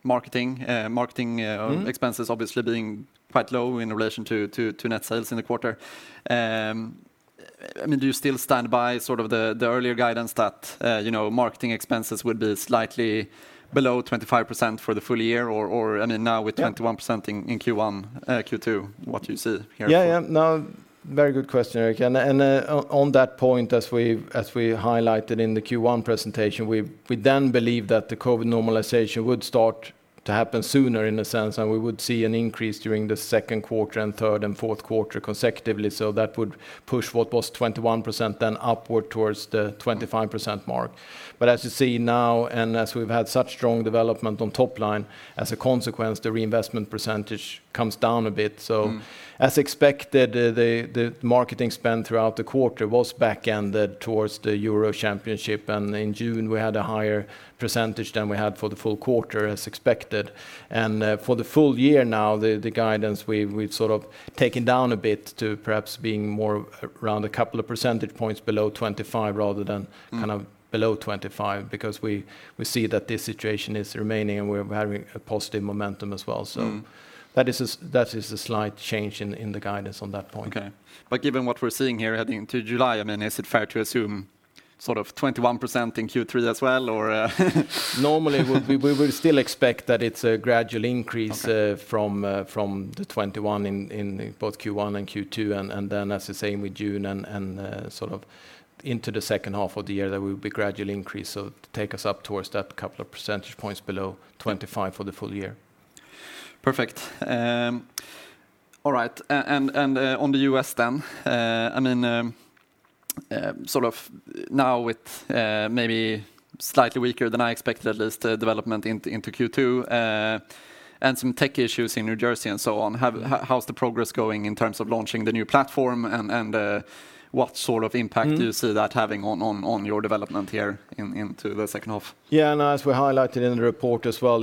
marketing expenses. obviously being quite low in relation to net sales in the quarter. Do you still stand by the earlier guidance that marketing expenses would be slightly below 25% for the full year? Yeah 21% in Q2, what do you see here? Yeah. No, very good question, Erik. On that point, as we highlighted in the Q1 presentation, we then believe that the COVID normalization would start to happen sooner in a sense, we would see an increase during the second quarter and third quarter and fourth quarter consecutively. That would push what was 21% then upward towards the 25% mark. As you see now, as we've had such strong development on top line, as a consequence, the reinvestment percentage comes down a bit. As expected, the marketing spend throughout the quarter was back-ended towards the Euro Championship. In June, we had a higher percentage than we had for the full quarter, as expected. For the full year now, the guidance we've sort of taken down a bit to perhaps being more around a couple of percentage points below 25% rather than below 25%, because we see that this situation is remaining, and we're having a positive momentum as well. That is a slight change in the guidance on that point. Okay. Given what we're seeing here heading into July, is it fair to assume sort of 21% in Q3 as well, or? Normally, we would still expect that it's a gradual increase. Okay from the 21 in both Q1 and Q2, and then that's the same with June and sort of into the second half of the year, there will be gradual increase. Take us up towards that couple of percentage points below 25 for the full year. Perfect. All right. On the U.S. then, sort of now with maybe slightly weaker than I expected, at least, development into Q2, and some tech issues in New Jersey and so on, how's the progress going in terms of launching the new platform? Do you see that having on your development here into the second half? As we highlighted in the report as well,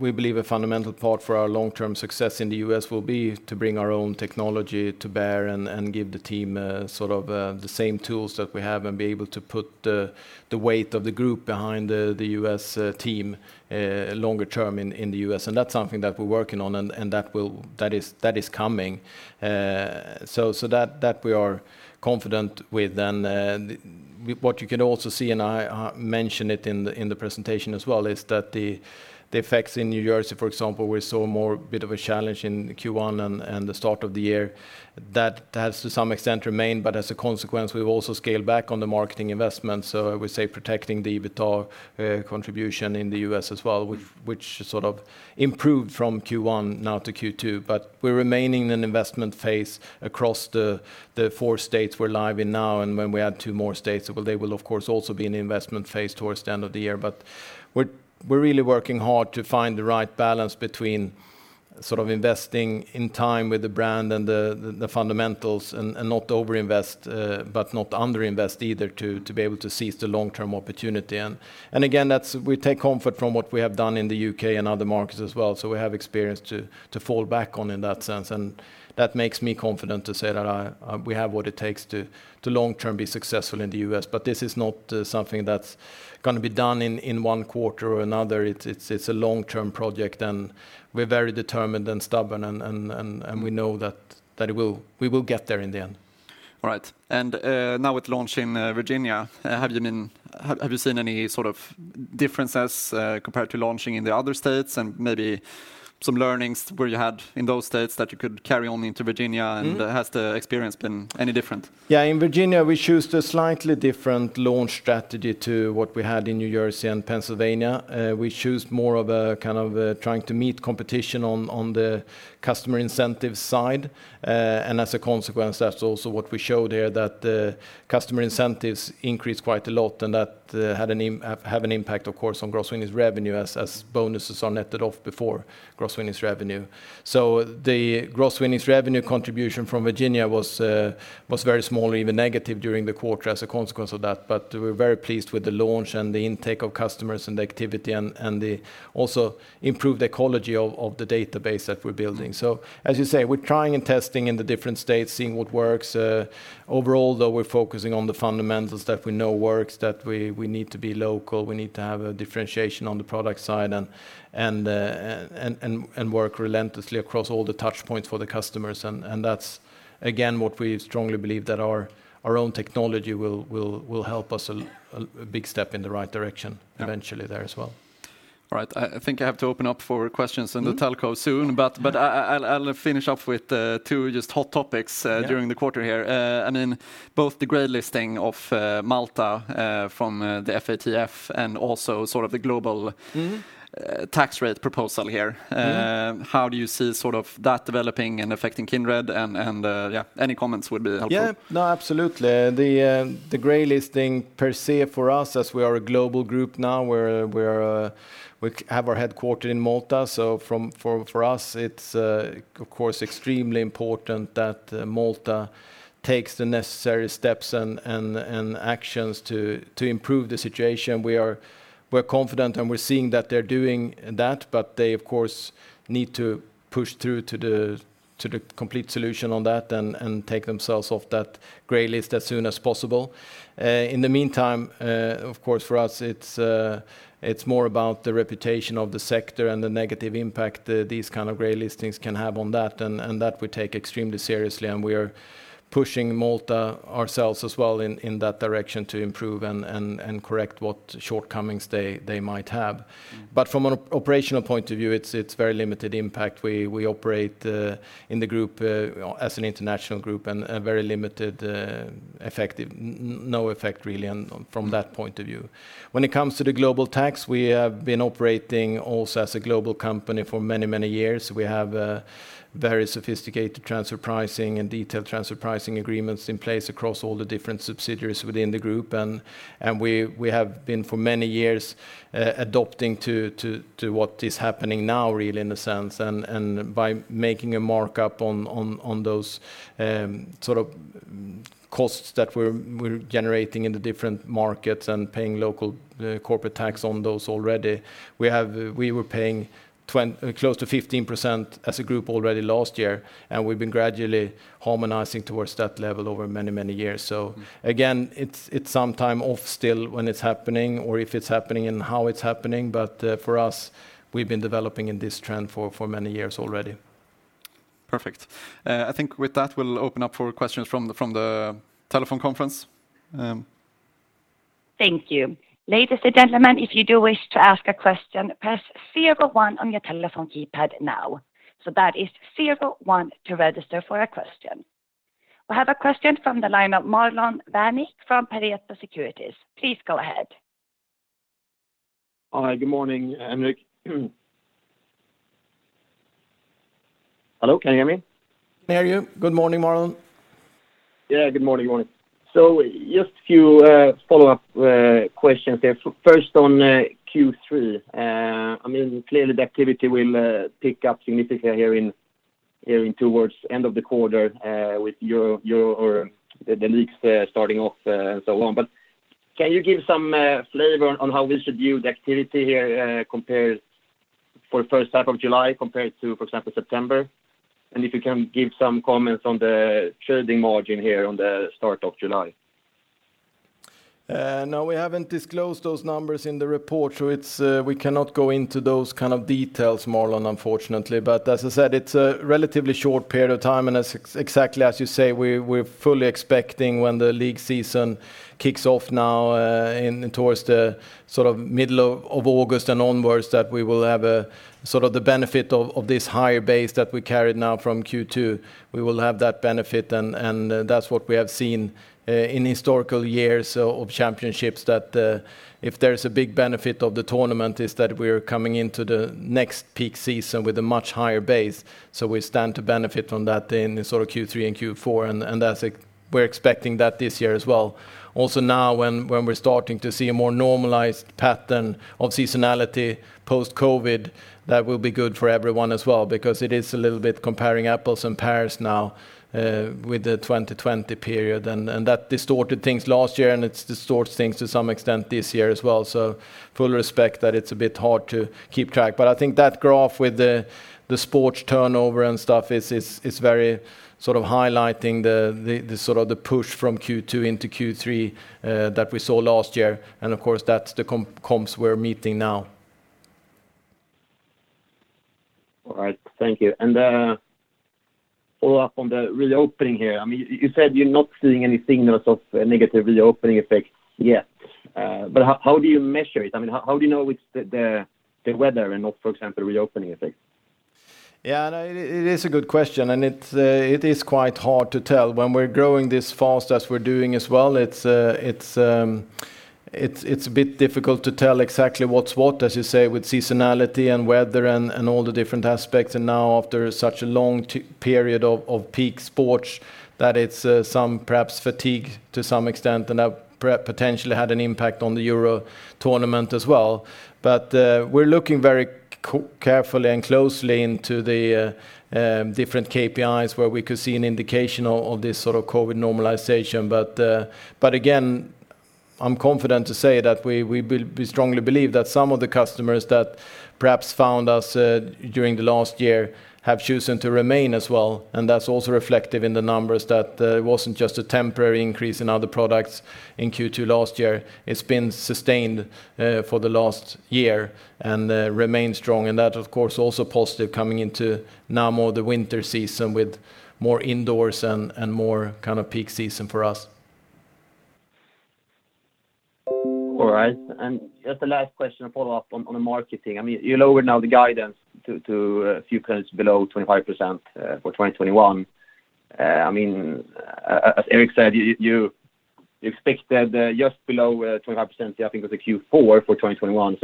we believe a fundamental part for our long-term success in the U.S. will be to bring our own technology to bear and give the team the same tools that we have and be able to put the weight of the group behind the U.S. team longer term in the U.S. That's something that we're working on, and that is coming. That we are confident with. What you can also see, and I mentioned it in the presentation as well, is that the effects in New Jersey, for example, we saw more bit of a challenge in Q1 and the start of the year. That has to some extent remained, but as a consequence, we've also scaled back on the marketing investments. I would say protecting the EBITDA contribution in the U.S. as well, which sort of improved from Q1 now to Q2. We're remaining in an investment phase across the four states we're live in now. When we add two more states, they will of course also be in investment phase towards the end of the year. We're really working hard to find the right balance between investing in time with the brand and the fundamentals and not over-invest, but not under-invest either to be able to seize the long-term opportunity. Again, we take comfort from what we have done in the U.K. and other markets as well. We have experience to fall back on in that sense. That makes me confident to say that we have what it takes to long term be successful in the U.S. This is not something that's going to be done in one quarter or another. It's a long-term project, and we're very determined and stubborn, and we know that we will get there in the end. All right. Now with launch in Virginia, have you seen any sort of differences compared to launching in the other states and maybe some learnings where you had in those states that you could carry on into Virginia? Has the experience been any different? Yeah. In Virginia, we choose a slightly different launch strategy to what we had in New Jersey and Pennsylvania. We choose more of kind of trying to meet competition on the customer incentive side. As a consequence, that's also what we show there, that customer incentives increased quite a lot, and that have an impact of course, on gross winnings revenue as bonuses are netted off before gross winnings revenue. The gross winnings revenue contribution from Virginia was very small or even negative during the quarter as a consequence of that. We're very pleased with the launch and the intake of customers and the activity, and also improved the quality of the database that we're building. As you say, we're trying and testing in the different states, seeing what works. Overall, we're focusing on the fundamentals that we know works, that we need to be local, we need to have a differentiation on the product side and work relentlessly across all the touchpoints for the customers. That's again, what we strongly believe that our own technology will help us a big step in the right direction. Yeah eventually there as well. All right. I think I have to open up for questions in the telco soon. Yeah. I'll finish off with two just hot topics. Yeah during the quarter here. In both the gray listing of Malta from the FATF. tax rate proposal here. How do you see sort of that developing and affecting Kindred and yeah, any comments would be helpful? Yeah. No, absolutely. The gray listing per se for us as we are a global group now, we have our headquarter in Malta. For us it's of course extremely important that Malta takes the necessary steps and actions to improve the situation. We're confident, and we're seeing that they're doing that, but they of course need to push through to the complete solution on that and take themselves off that gray list as soon as possible. In the meantime, of course, for us, it's more about the reputation of the sector and the negative impact these kind of gray listings can have on that, and that we take extremely seriously, and we are pushing Malta ourselves as well in that direction to improve and correct what shortcomings they might have. From an operational point of view, it's very limited impact. We operate in the group as an international group and very limited effective, no effect really from that point of view. When it comes to the global tax, we have been operating also as a global company for many years. We have very sophisticated transfer pricing and detailed transfer pricing agreements in place across all the different subsidiaries within the group. We have been for many years adopting to what is happening now really in a sense, and by making a markup on those sort of costs that we're generating in the different markets and paying local corporate tax on those already. We were paying close to 15% as a group already last year, and we've been gradually harmonizing towards that level over many years. Again, it's some time off still when it's happening, or if it's happening, and how it's happening. For us, we've been developing in this trend for many years already. Perfect. I think with that, we'll open up for questions from the telephone conference. Thank you. Ladies and gentlemen, if you do wish to ask a question, press 01 on your telephone keypad now. That is 01 to register for a question. I have a question from the line of Marlon Värnik from Pareto Securities. Please go ahead. Hi, good morning, Henrik. Hello, can you hear me? Can hear you. Good morning, Marlon. Yeah, good morning. Just a few follow-up questions there. First on Q3. Clearly the activity will pick up significantly here towards end of the quarter with the leagues starting off and so on. Can you give some flavor on how we should view the activity here for the first half of July compared to, for example, September? If you can give some comments on the trading margin here on the start of July. No, we haven't disclosed those numbers in the report. We cannot go into those kind of details, Marlon, unfortunately. As I said, it's a relatively short period of time, and exactly as you say, we're fully expecting when the league season kicks off now towards the middle of August and onwards, that we will have the benefit of this higher base that we carried now from Q2. We will have that benefit, and that's what we have seen in historical years of championships. That if there's a big benefit of the tournament, is that we're coming into the next peak season with a much higher base. We stand to benefit from that in Q3 and Q4, and we're expecting that this year as well. Also now, when we're starting to see a more normalized pattern of seasonality post-COVID, that will be good for everyone as well, because it is a little bit comparing apples and pears now with the 2020 period. That distorted things last year, and it distorts things to some extent this year as well. Full respect that it's a bit hard to keep track. I think that graph with the sports turnover and stuff is very highlighting the push from Q2 into Q3 that we saw last year. Of course, that's the comps we're meeting now. All right. Thank you. Follow-up on the reopening here. You said you're not seeing any signals of a negative reopening effect yet. How do you measure it? How do you know it's the weather and not, for example, the reopening effect? Yeah, it is a good question, and it is quite hard to tell. When we're growing this fast as we're doing as well, it's a bit difficult to tell exactly what's what, as you say, with seasonality and weather and all the different aspects. Now after such a long period of peak sports, that it's some perhaps fatigue to some extent and have potentially had an impact on the Euro tournament as well. We're looking very carefully and closely into the different KPIs where we could see an indication of this COVID normalization. Again, I'm confident to say that we strongly believe that some of the customers that perhaps found us during the last year have chosen to remain as well. That's also reflective in the numbers that it wasn't just a temporary increase in other products in Q2 last year. It's been sustained for the last year and remains strong, that, of course, also positive coming into now more the winter season with more indoors and more peak season for us. All right. Just a last question to follow up on the marketing. You lowered now the guidance to a few points below 25% for 2021. As Erik said, you expected just below 25%, I think it was a Q4 for 2021.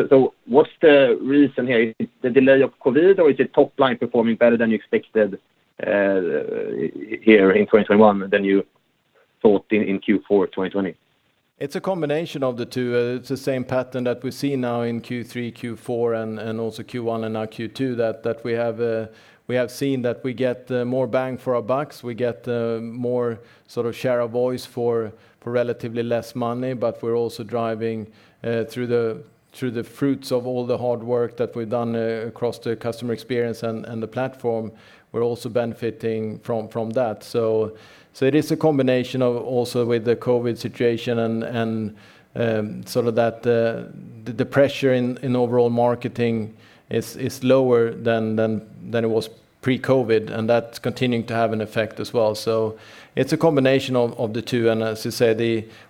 What's the reason here? Is it the delay of COVID, or is it top line performing better than you expected here in 2021 than you thought in Q4 2020? It's a combination of the two. It's the same pattern that we see now in Q3, Q4, and also Q1 and now Q2 that we have seen that we get more bang for our bucks. We get more share of voice for relatively less money, but we're also driving through the fruits of all the hard work that we've done across the customer experience and the platform. We're also benefiting from that. It is a combination of also with the COVID situation and the pressure in overall marketing is lower than it was pre-COVID, and that's continuing to have an effect as well. It's a combination of the two. As you said,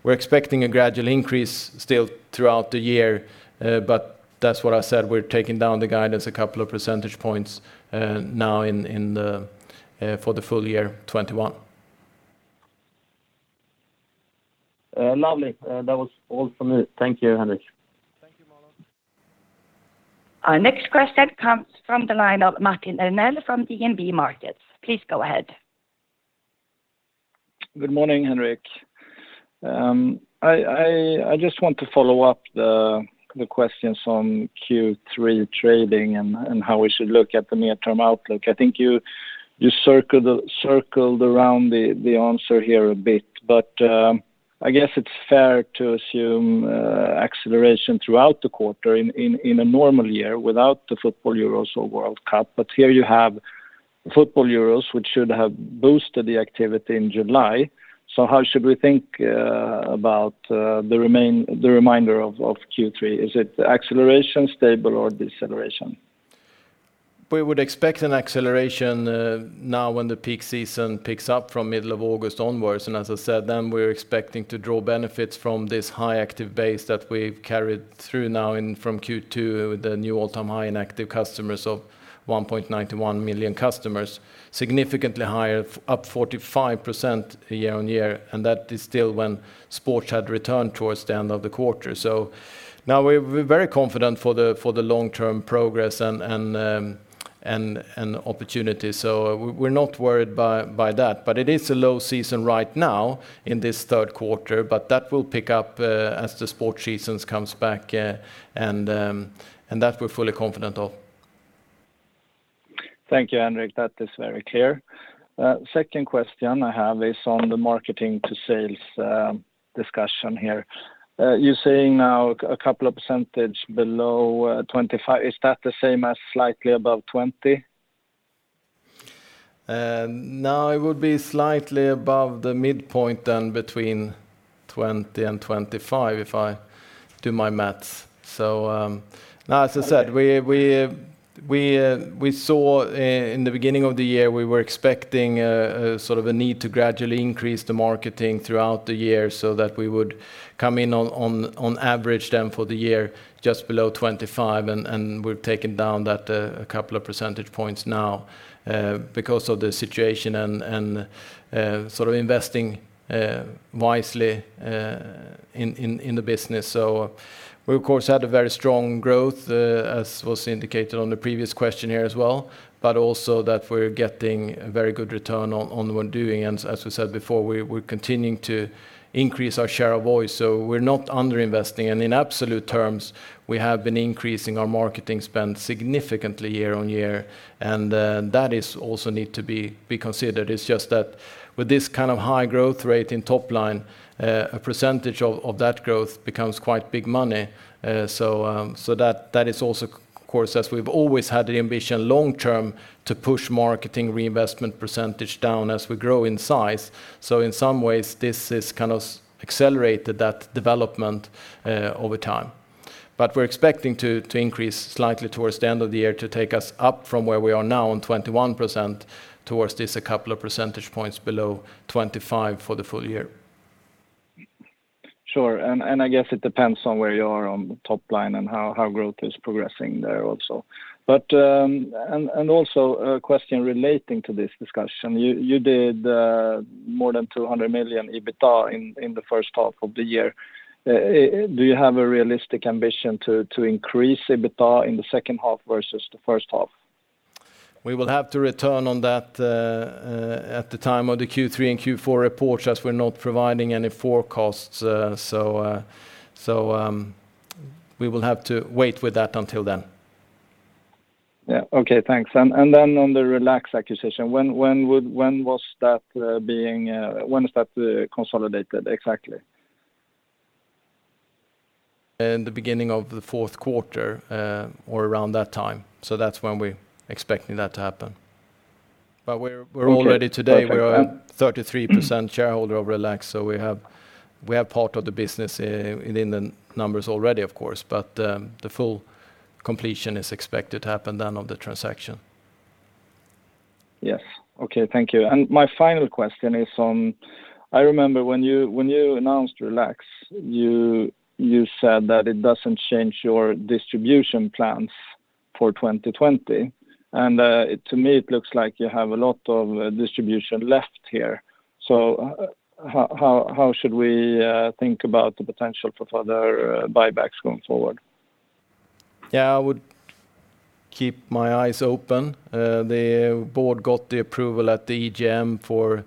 we're expecting a gradual increase still throughout the year. That's what I said, we're taking down the guidance a couple of percentage points now for the full year 2021. Lovely. That was all from me. Thank you, Henrik. Thank you, Marlon. Our next question comes from the line of Martin Arnell from DNB Markets. Please go ahead. Good morning, Henrik. I just want to follow up the questions on Q3 trading and how we should look at the near-term outlook. I think you circled around the answer here a bit. I guess it's fair to assume acceleration throughout the quarter in a normal year without the football Euros or World Cup. Here you have football Euros, which should have boosted the activity in July. How should we think about the remainder of Q3? Is it acceleration, stable, or deceleration? We would expect an acceleration now when the peak season picks up from middle of August onwards. As I said, then we're expecting to draw benefits from this high active base that we've carried through now from Q2 with the new all-time high in active customers of 1.91 million customers. Significantly higher, up 45% year-on-year, That is still when sports had returned towards the end of the quarter. Now we're very confident for the long-term progress and opportunity. We're not worried by that. It is a low season right now in this third quarter, That will pick up as the sports seasons comes back, That we're fully confident of. Thank you, Henrik. That is very clear. Second question I have is on the marketing to sales discussion here. You're saying now a couple of % below 25%. Is that the same as slightly above 20%? It would be slightly above the midpoint between 20% and 25%, if I do my math. As I said, we saw in the beginning of the year, we were expecting a need to gradually increase the marketing throughout the year so that we would come in on average for the year, just below 25%. We've taken down that a couple of percentage points now because of the situation and investing wisely in the business. We of course, had a very strong growth, as was indicated on the previous question here as well, but also that we're getting a very good return on what we're doing. As we said before, we're continuing to increase our share of voice, we're not under-investing. In absolute terms, we have been increasing our marketing spend significantly year-on-year, and that also need to be considered. It's just that with this kind of high growth rate in top line, a percentage of that growth becomes quite big money. That is also, of course, as we've always had the ambition long term to push marketing reinvestment percentage down as we grow in size. In some ways, this has accelerated that development over time. We're expecting to increase slightly towards the end of the year to take us up from where we are now on 21% towards this 2 percentage points below 25% for the full year. Sure. I guess it depends on where you are on the top line and how growth is progressing there also. Also a question relating to this discussion. You did more than 200 million EBITDA in the first half of the year. Do you have a realistic ambition to increase EBITDA in the second half versus the first half? We will have to return on that at the time of the Q3 and Q4 reports, as we're not providing any forecasts. We will have to wait with that until then. Yeah. Okay, thanks. On the Relax acquisition, when is that consolidated exactly? The beginning of the fourth quarter or around that time. That's when we're expecting that to happen. We're all ready today. We are 33% shareholder of Relax, so we have part of the business in the numbers already, of course. The full completion is expected to happen then on the transaction. Yes. Okay. Thank you. My final question is on, I remember when you announced Relax, you said that it doesn't change your distribution plans for 2020. To me, it looks like you have a lot of distribution left here. How should we think about the potential for further buybacks going forward? Yeah, I would keep my eyes open. The board got the approval at the EGM for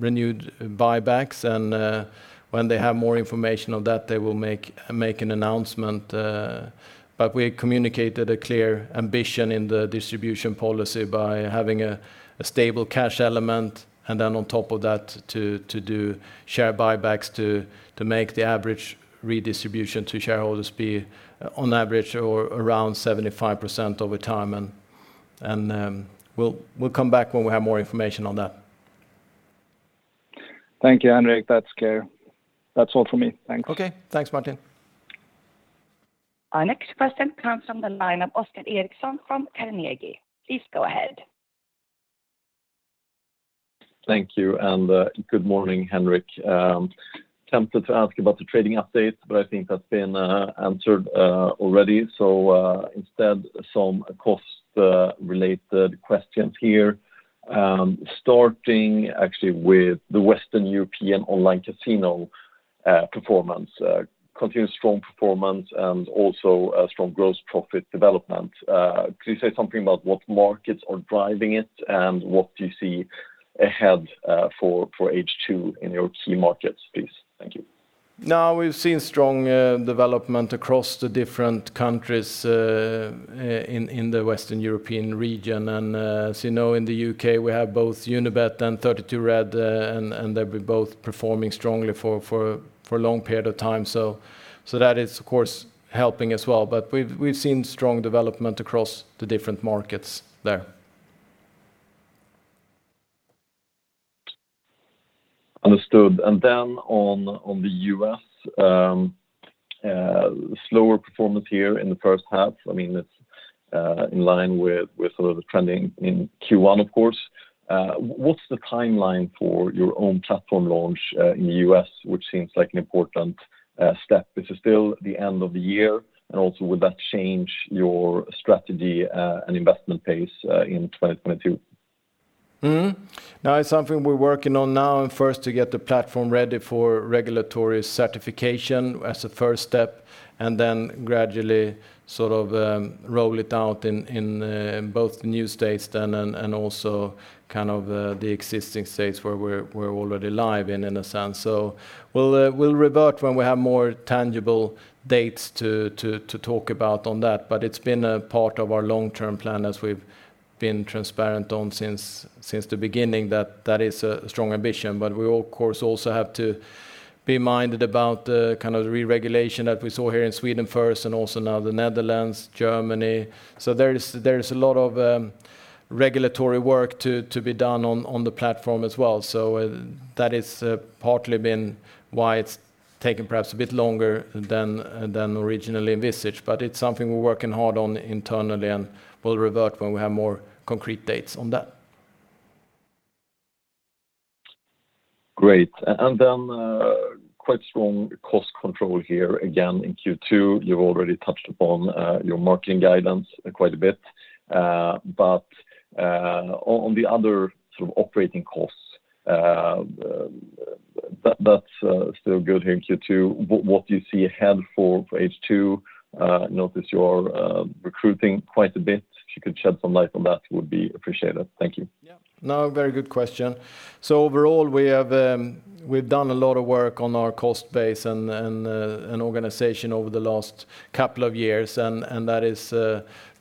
renewed buybacks. When they have more information on that, they will make an announcement. We communicated a clear ambition in the distribution policy by having a stable cash element, and then on top of that to do share buybacks to make the average redistribution to shareholders be on average or around 75% over time. We'll come back when we have more information on that. Thank you, Henrik. That's clear. That's all from me. Thanks. Okay. Thanks, Martin. Our next question comes from the line of Oscar Erixon from Carnegie. Please go ahead. Thank you. Good morning, Henrik. Tempted to ask about the trading update, I think that's been answered already. Instead, some cost-related questions here. Starting actually with the Western European online casino performance. Continued strong performance and also strong gross profit development. Could you say something about what markets are driving it, and what do you see ahead for H2 in your key markets, please? Thank you. Now we've seen strong development across the different countries in the Western European region. As you know, in the U.K., we have both Unibet and 32Red, and they've been both performing strongly for a long period of time. That is, of course, helping as well. We've seen strong development across the different markets there. Understood. On the U.S., slower performance here in the first half. It's in line with the trending in Q1, of course. What's the timeline for your own platform launch in the U.S., which seems like an important step? Is it still the end of the year? Would that change your strategy and investment pace in 2022? No. It's something we're working on now, and first to get the platform ready for regulatory certification as a first step, and then gradually sort of roll it out in both the new states then and also kind of the existing states where we're already live in a sense. We'll revert when we have more tangible dates to talk about on that. It's been a part of our long-term plan, as we've been transparent on since the beginning, that is a strong ambition. We, of course, also have to be minded about the kind of re-regulation that we saw here in Sweden first and also now the Netherlands, Germany. There is a lot of regulatory work to be done on the platform as well. That is partly been why it's taken perhaps a bit longer than originally envisaged, but it's something we're working hard on internally, and we'll revert when we have more concrete dates on that. Great. Quite strong cost control here again in Q2. You've already touched upon your marketing guidance quite a bit. On the other sort of operating costs that's still good here in Q2. What do you see ahead for H2? Notice you're recruiting quite a bit. If you could shed some light on that, would be appreciated. Thank you. Very good question. Overall, we've done a lot of work on our cost base and organization over the last couple of years, and that is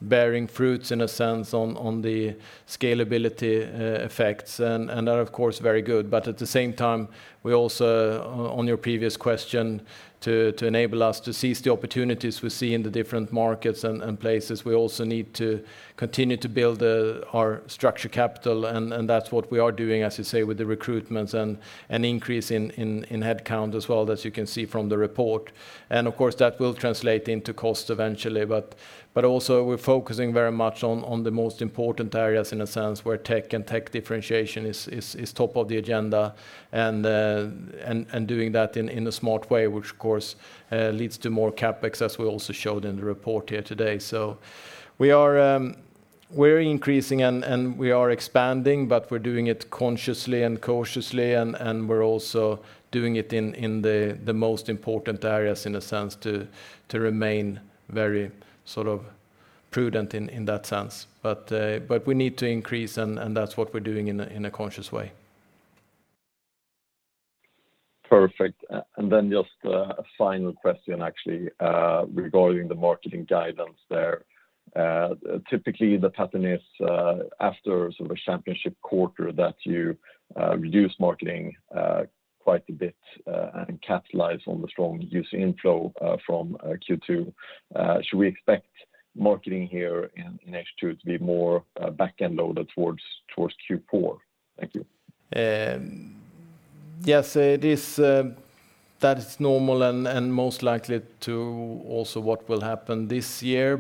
bearing fruits in a sense on the scalability effects and are of course very good. At the same time, we also, on your previous question, to enable us to seize the opportunities we see in the different markets and places, we also need to continue to build our structure capital, and that's what we are doing, as you say, with the recruitments and increase in headcount as well as you can see from the report. Of course, that will translate into cost eventually. Also we are focusing very much on the most important areas, in a sense, where tech and tech differentiation is top of the agenda. Doing that in a smart way, which of course leads to more CapEx as we also showed in the report here today. We're increasing and we are expanding, but we're doing it consciously and cautiously and we're also doing it in the most important areas, in a sense, to remain very sort of prudent in that sense. We need to increase, and that's what we're doing in a conscious way. Perfect. Just a final question actually, regarding the marketing guidance there. Typically, the pattern is after sort of a championship quarter that you reduce marketing quite a bit and capitalize on the strong user inflow from Q2. Should we expect marketing here in H2 to be more back-end loaded towards Q4? Thank you. That is normal and most likely to also what will happen this year.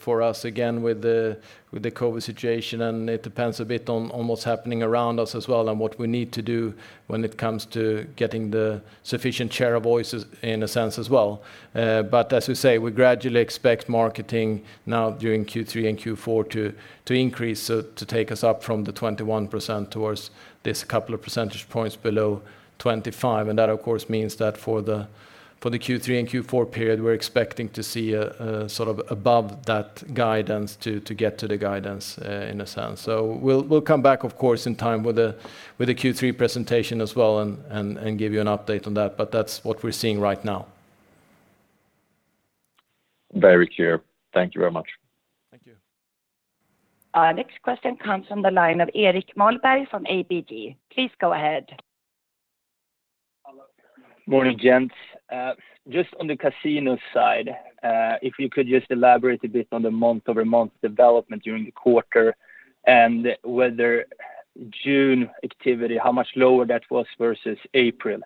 For us, again, with the COVID situation, and it depends a bit on what's happening around us as well and what we need to do when it comes to getting the sufficient share of voices in a sense as well. As we say, we gradually expect marketing now during Q3 and Q4 to increase, so to take us up from the 21% towards this couple of percentage points below 25%. That of course means that for the Q3 and Q4 period, we're expecting to see a sort of above that guidance to get to the guidance in a sense. We'll come back of course in time with the Q3 presentation as well and give you an update on that. That's what we're seeing right now. Very clear. Thank you very much. Thank you. Next question comes from the line of Erik Malmberg from ABG. Please go ahead. Hello. Morning, gents. Just on the casino side, if you could just elaborate a bit on the month-over-month development during the quarter and whether June activity, how much lower that was versus April?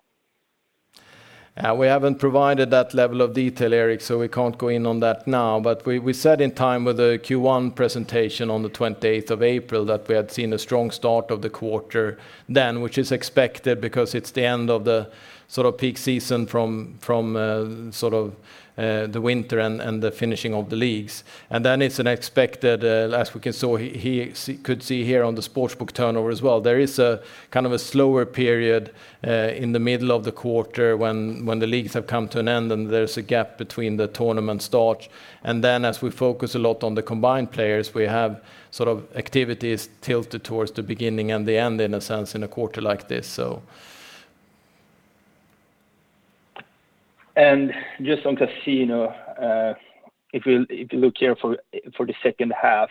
We haven't provided that level of detail, Erik, so we can't go in on that now. We said in time with the Q1 presentation on the 28th of April that we had seen a strong start of the quarter then, which is expected because it's the end of the sort of peak season from the winter and the finishing of the leagues. It's an expected, as we could see here on the Sportsbook turnover as well, there is a kind of a slower period in the middle of the quarter when the leagues have come to an end and there's a gap between the tournament start. As we focus a lot on the combined players, we have sort of activities tilted towards the beginning and the end, in a sense, in a quarter like this. Just on casino, if you look here for the second half,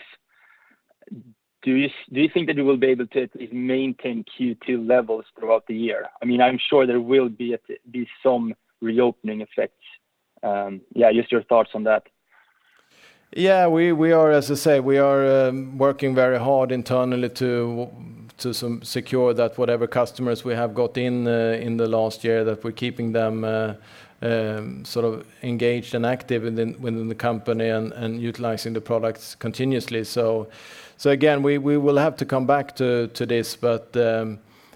do you think that you will be able to at least maintain Q2 levels throughout the year? I'm sure there will be some reopening effects. Just your thoughts on that. As I say, we are working very hard internally to secure that whatever customers we have got in the last year, that we're keeping them engaged and active within the company and utilizing the products continuously. Again, we will have to come back to this, but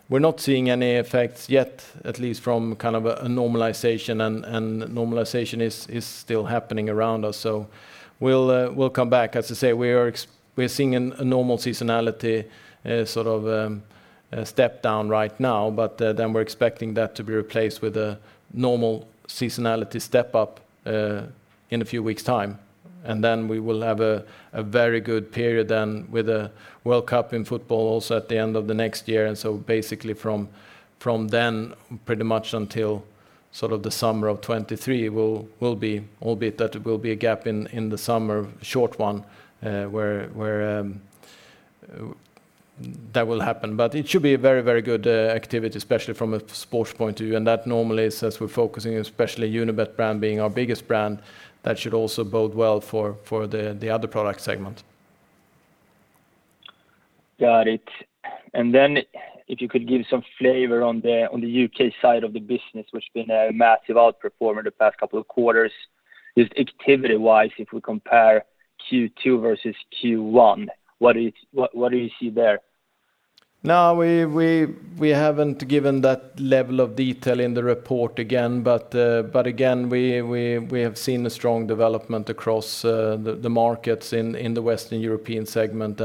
we're not seeing any effects yet, at least from a normalization. Normalization is still happening around us. We'll come back. As I say, we are seeing a normal seasonality step down right now. We're expecting that to be replaced with a normal seasonality step up in a few weeks' time. We will have a very good period then with a World Cup in football also at the end of the next year. Basically from then pretty much until the summer of 2023, albeit that will be a gap in the summer, a short one, where that will happen. It should be a very good activity, especially from a sports point of view. That normally is as we're focusing, especially Unibet brand being our biggest brand, that should also bode well for the other product segment. Got it. If you could give some flavor on the U.K. side of the business, which has been a massive outperformer the past couple of quarters. Just activity-wise, if we compare Q2 versus Q1, what do you see there? No, we haven't given that level of detail in the report again. Again, we have seen a strong development across the markets in the Western European segment.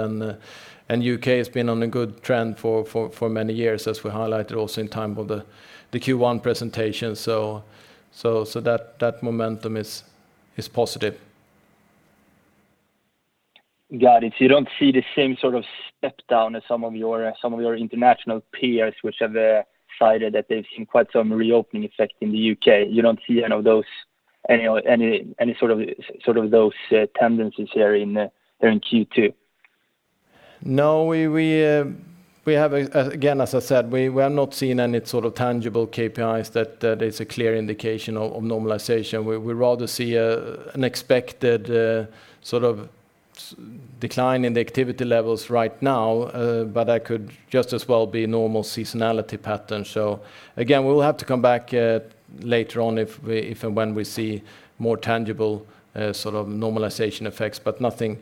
U.K. has been on a good trend for many years, as we highlighted also in time of the Q1 presentation. That momentum is positive. Got it. You don't see the same sort of step down as some of your international peers, which have cited that they've seen quite some reopening effect in the U.K. You don't see any sort of those tendencies there in Q2? No. Again, as I said, we are not seeing any sort of tangible KPIs that is a clear indication of normalization. We rather see an expected decline in the activity levels right now. That could just as well be normal seasonality pattern. Again, we will have to come back later on if and when we see more tangible normalization effects, but nothing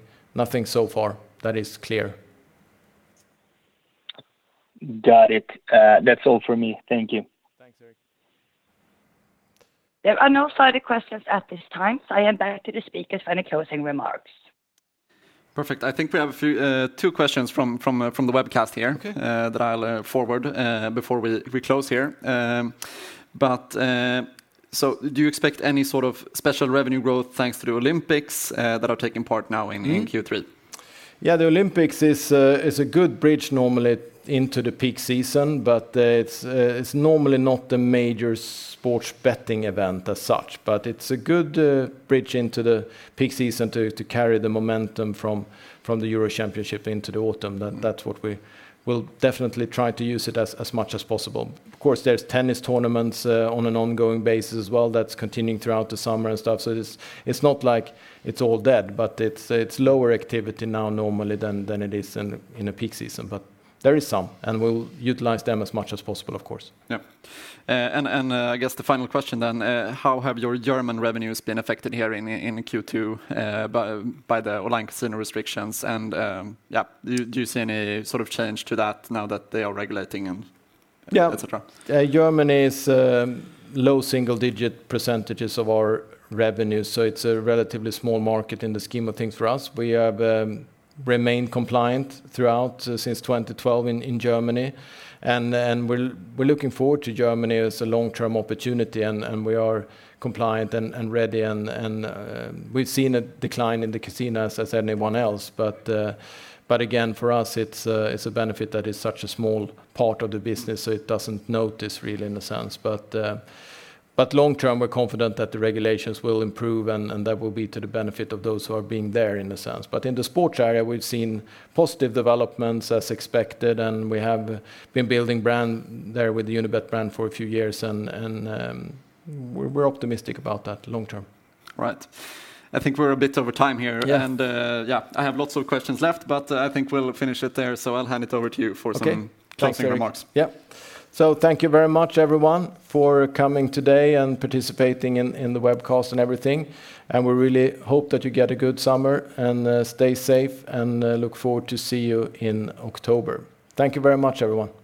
so far that is clear. Got it. That is all from me. Thank you. Thanks, Erik. There are no further questions at this time, so I hand back to the speakers for any closing remarks. Perfect. I think we have two questions from the webcast here. Okay that I'll forward before we close here. Do you expect any sort of special revenue growth thanks to the Olympics that are taking part now in Q3? Yeah, the Olympics is a good bridge normally into the peak season, but it's normally not the major sports betting event as such. It's a good bridge into the peak season to carry the momentum from the Euro Championship into the autumn. We'll definitely try to use it as much as possible. Of course, there's tennis tournaments on an ongoing basis as well that's continuing throughout the summer and stuff. It's not like it's all dead, but it's lower activity now normally than it is in a peak season. There is some, and we'll utilize them as much as possible, of course. Yeah. I guess the final question then, how have your German revenues been affected here in Q2 by the online casino restrictions? Yeah, do you see any sort of change to that now that they are regulating and et cetera? Yeah. Germany is low single-digit percentages of our revenue. It's a relatively small market in the scheme of things for us. We have remained compliant throughout since 2012 in Germany. We're looking forward to Germany as a long-term opportunity. We are compliant and ready. We've seen a decline in the casinos as anyone else. Again, for us, it's a benefit that it's such a small part of the business. It doesn't notice really in a sense. Long term, we're confident that the regulations will improve. That will be to the benefit of those who are being there in a sense. In the sports area, we've seen positive developments as expected. We have been building brand there with the Unibet brand for a few years. We're optimistic about that long term. Right. I think we're a bit over time here. Yeah. Yeah, I have lots of questions left, but I think we'll finish it there. I'll hand it over to you for some closing remarks. Okay. Thanks, Erik. Yeah. Thank you very much, everyone, for coming today and participating in the webcast and everything, and we really hope that you get a good summer, and stay safe, and look forward to see you in October. Thank you very much, everyone.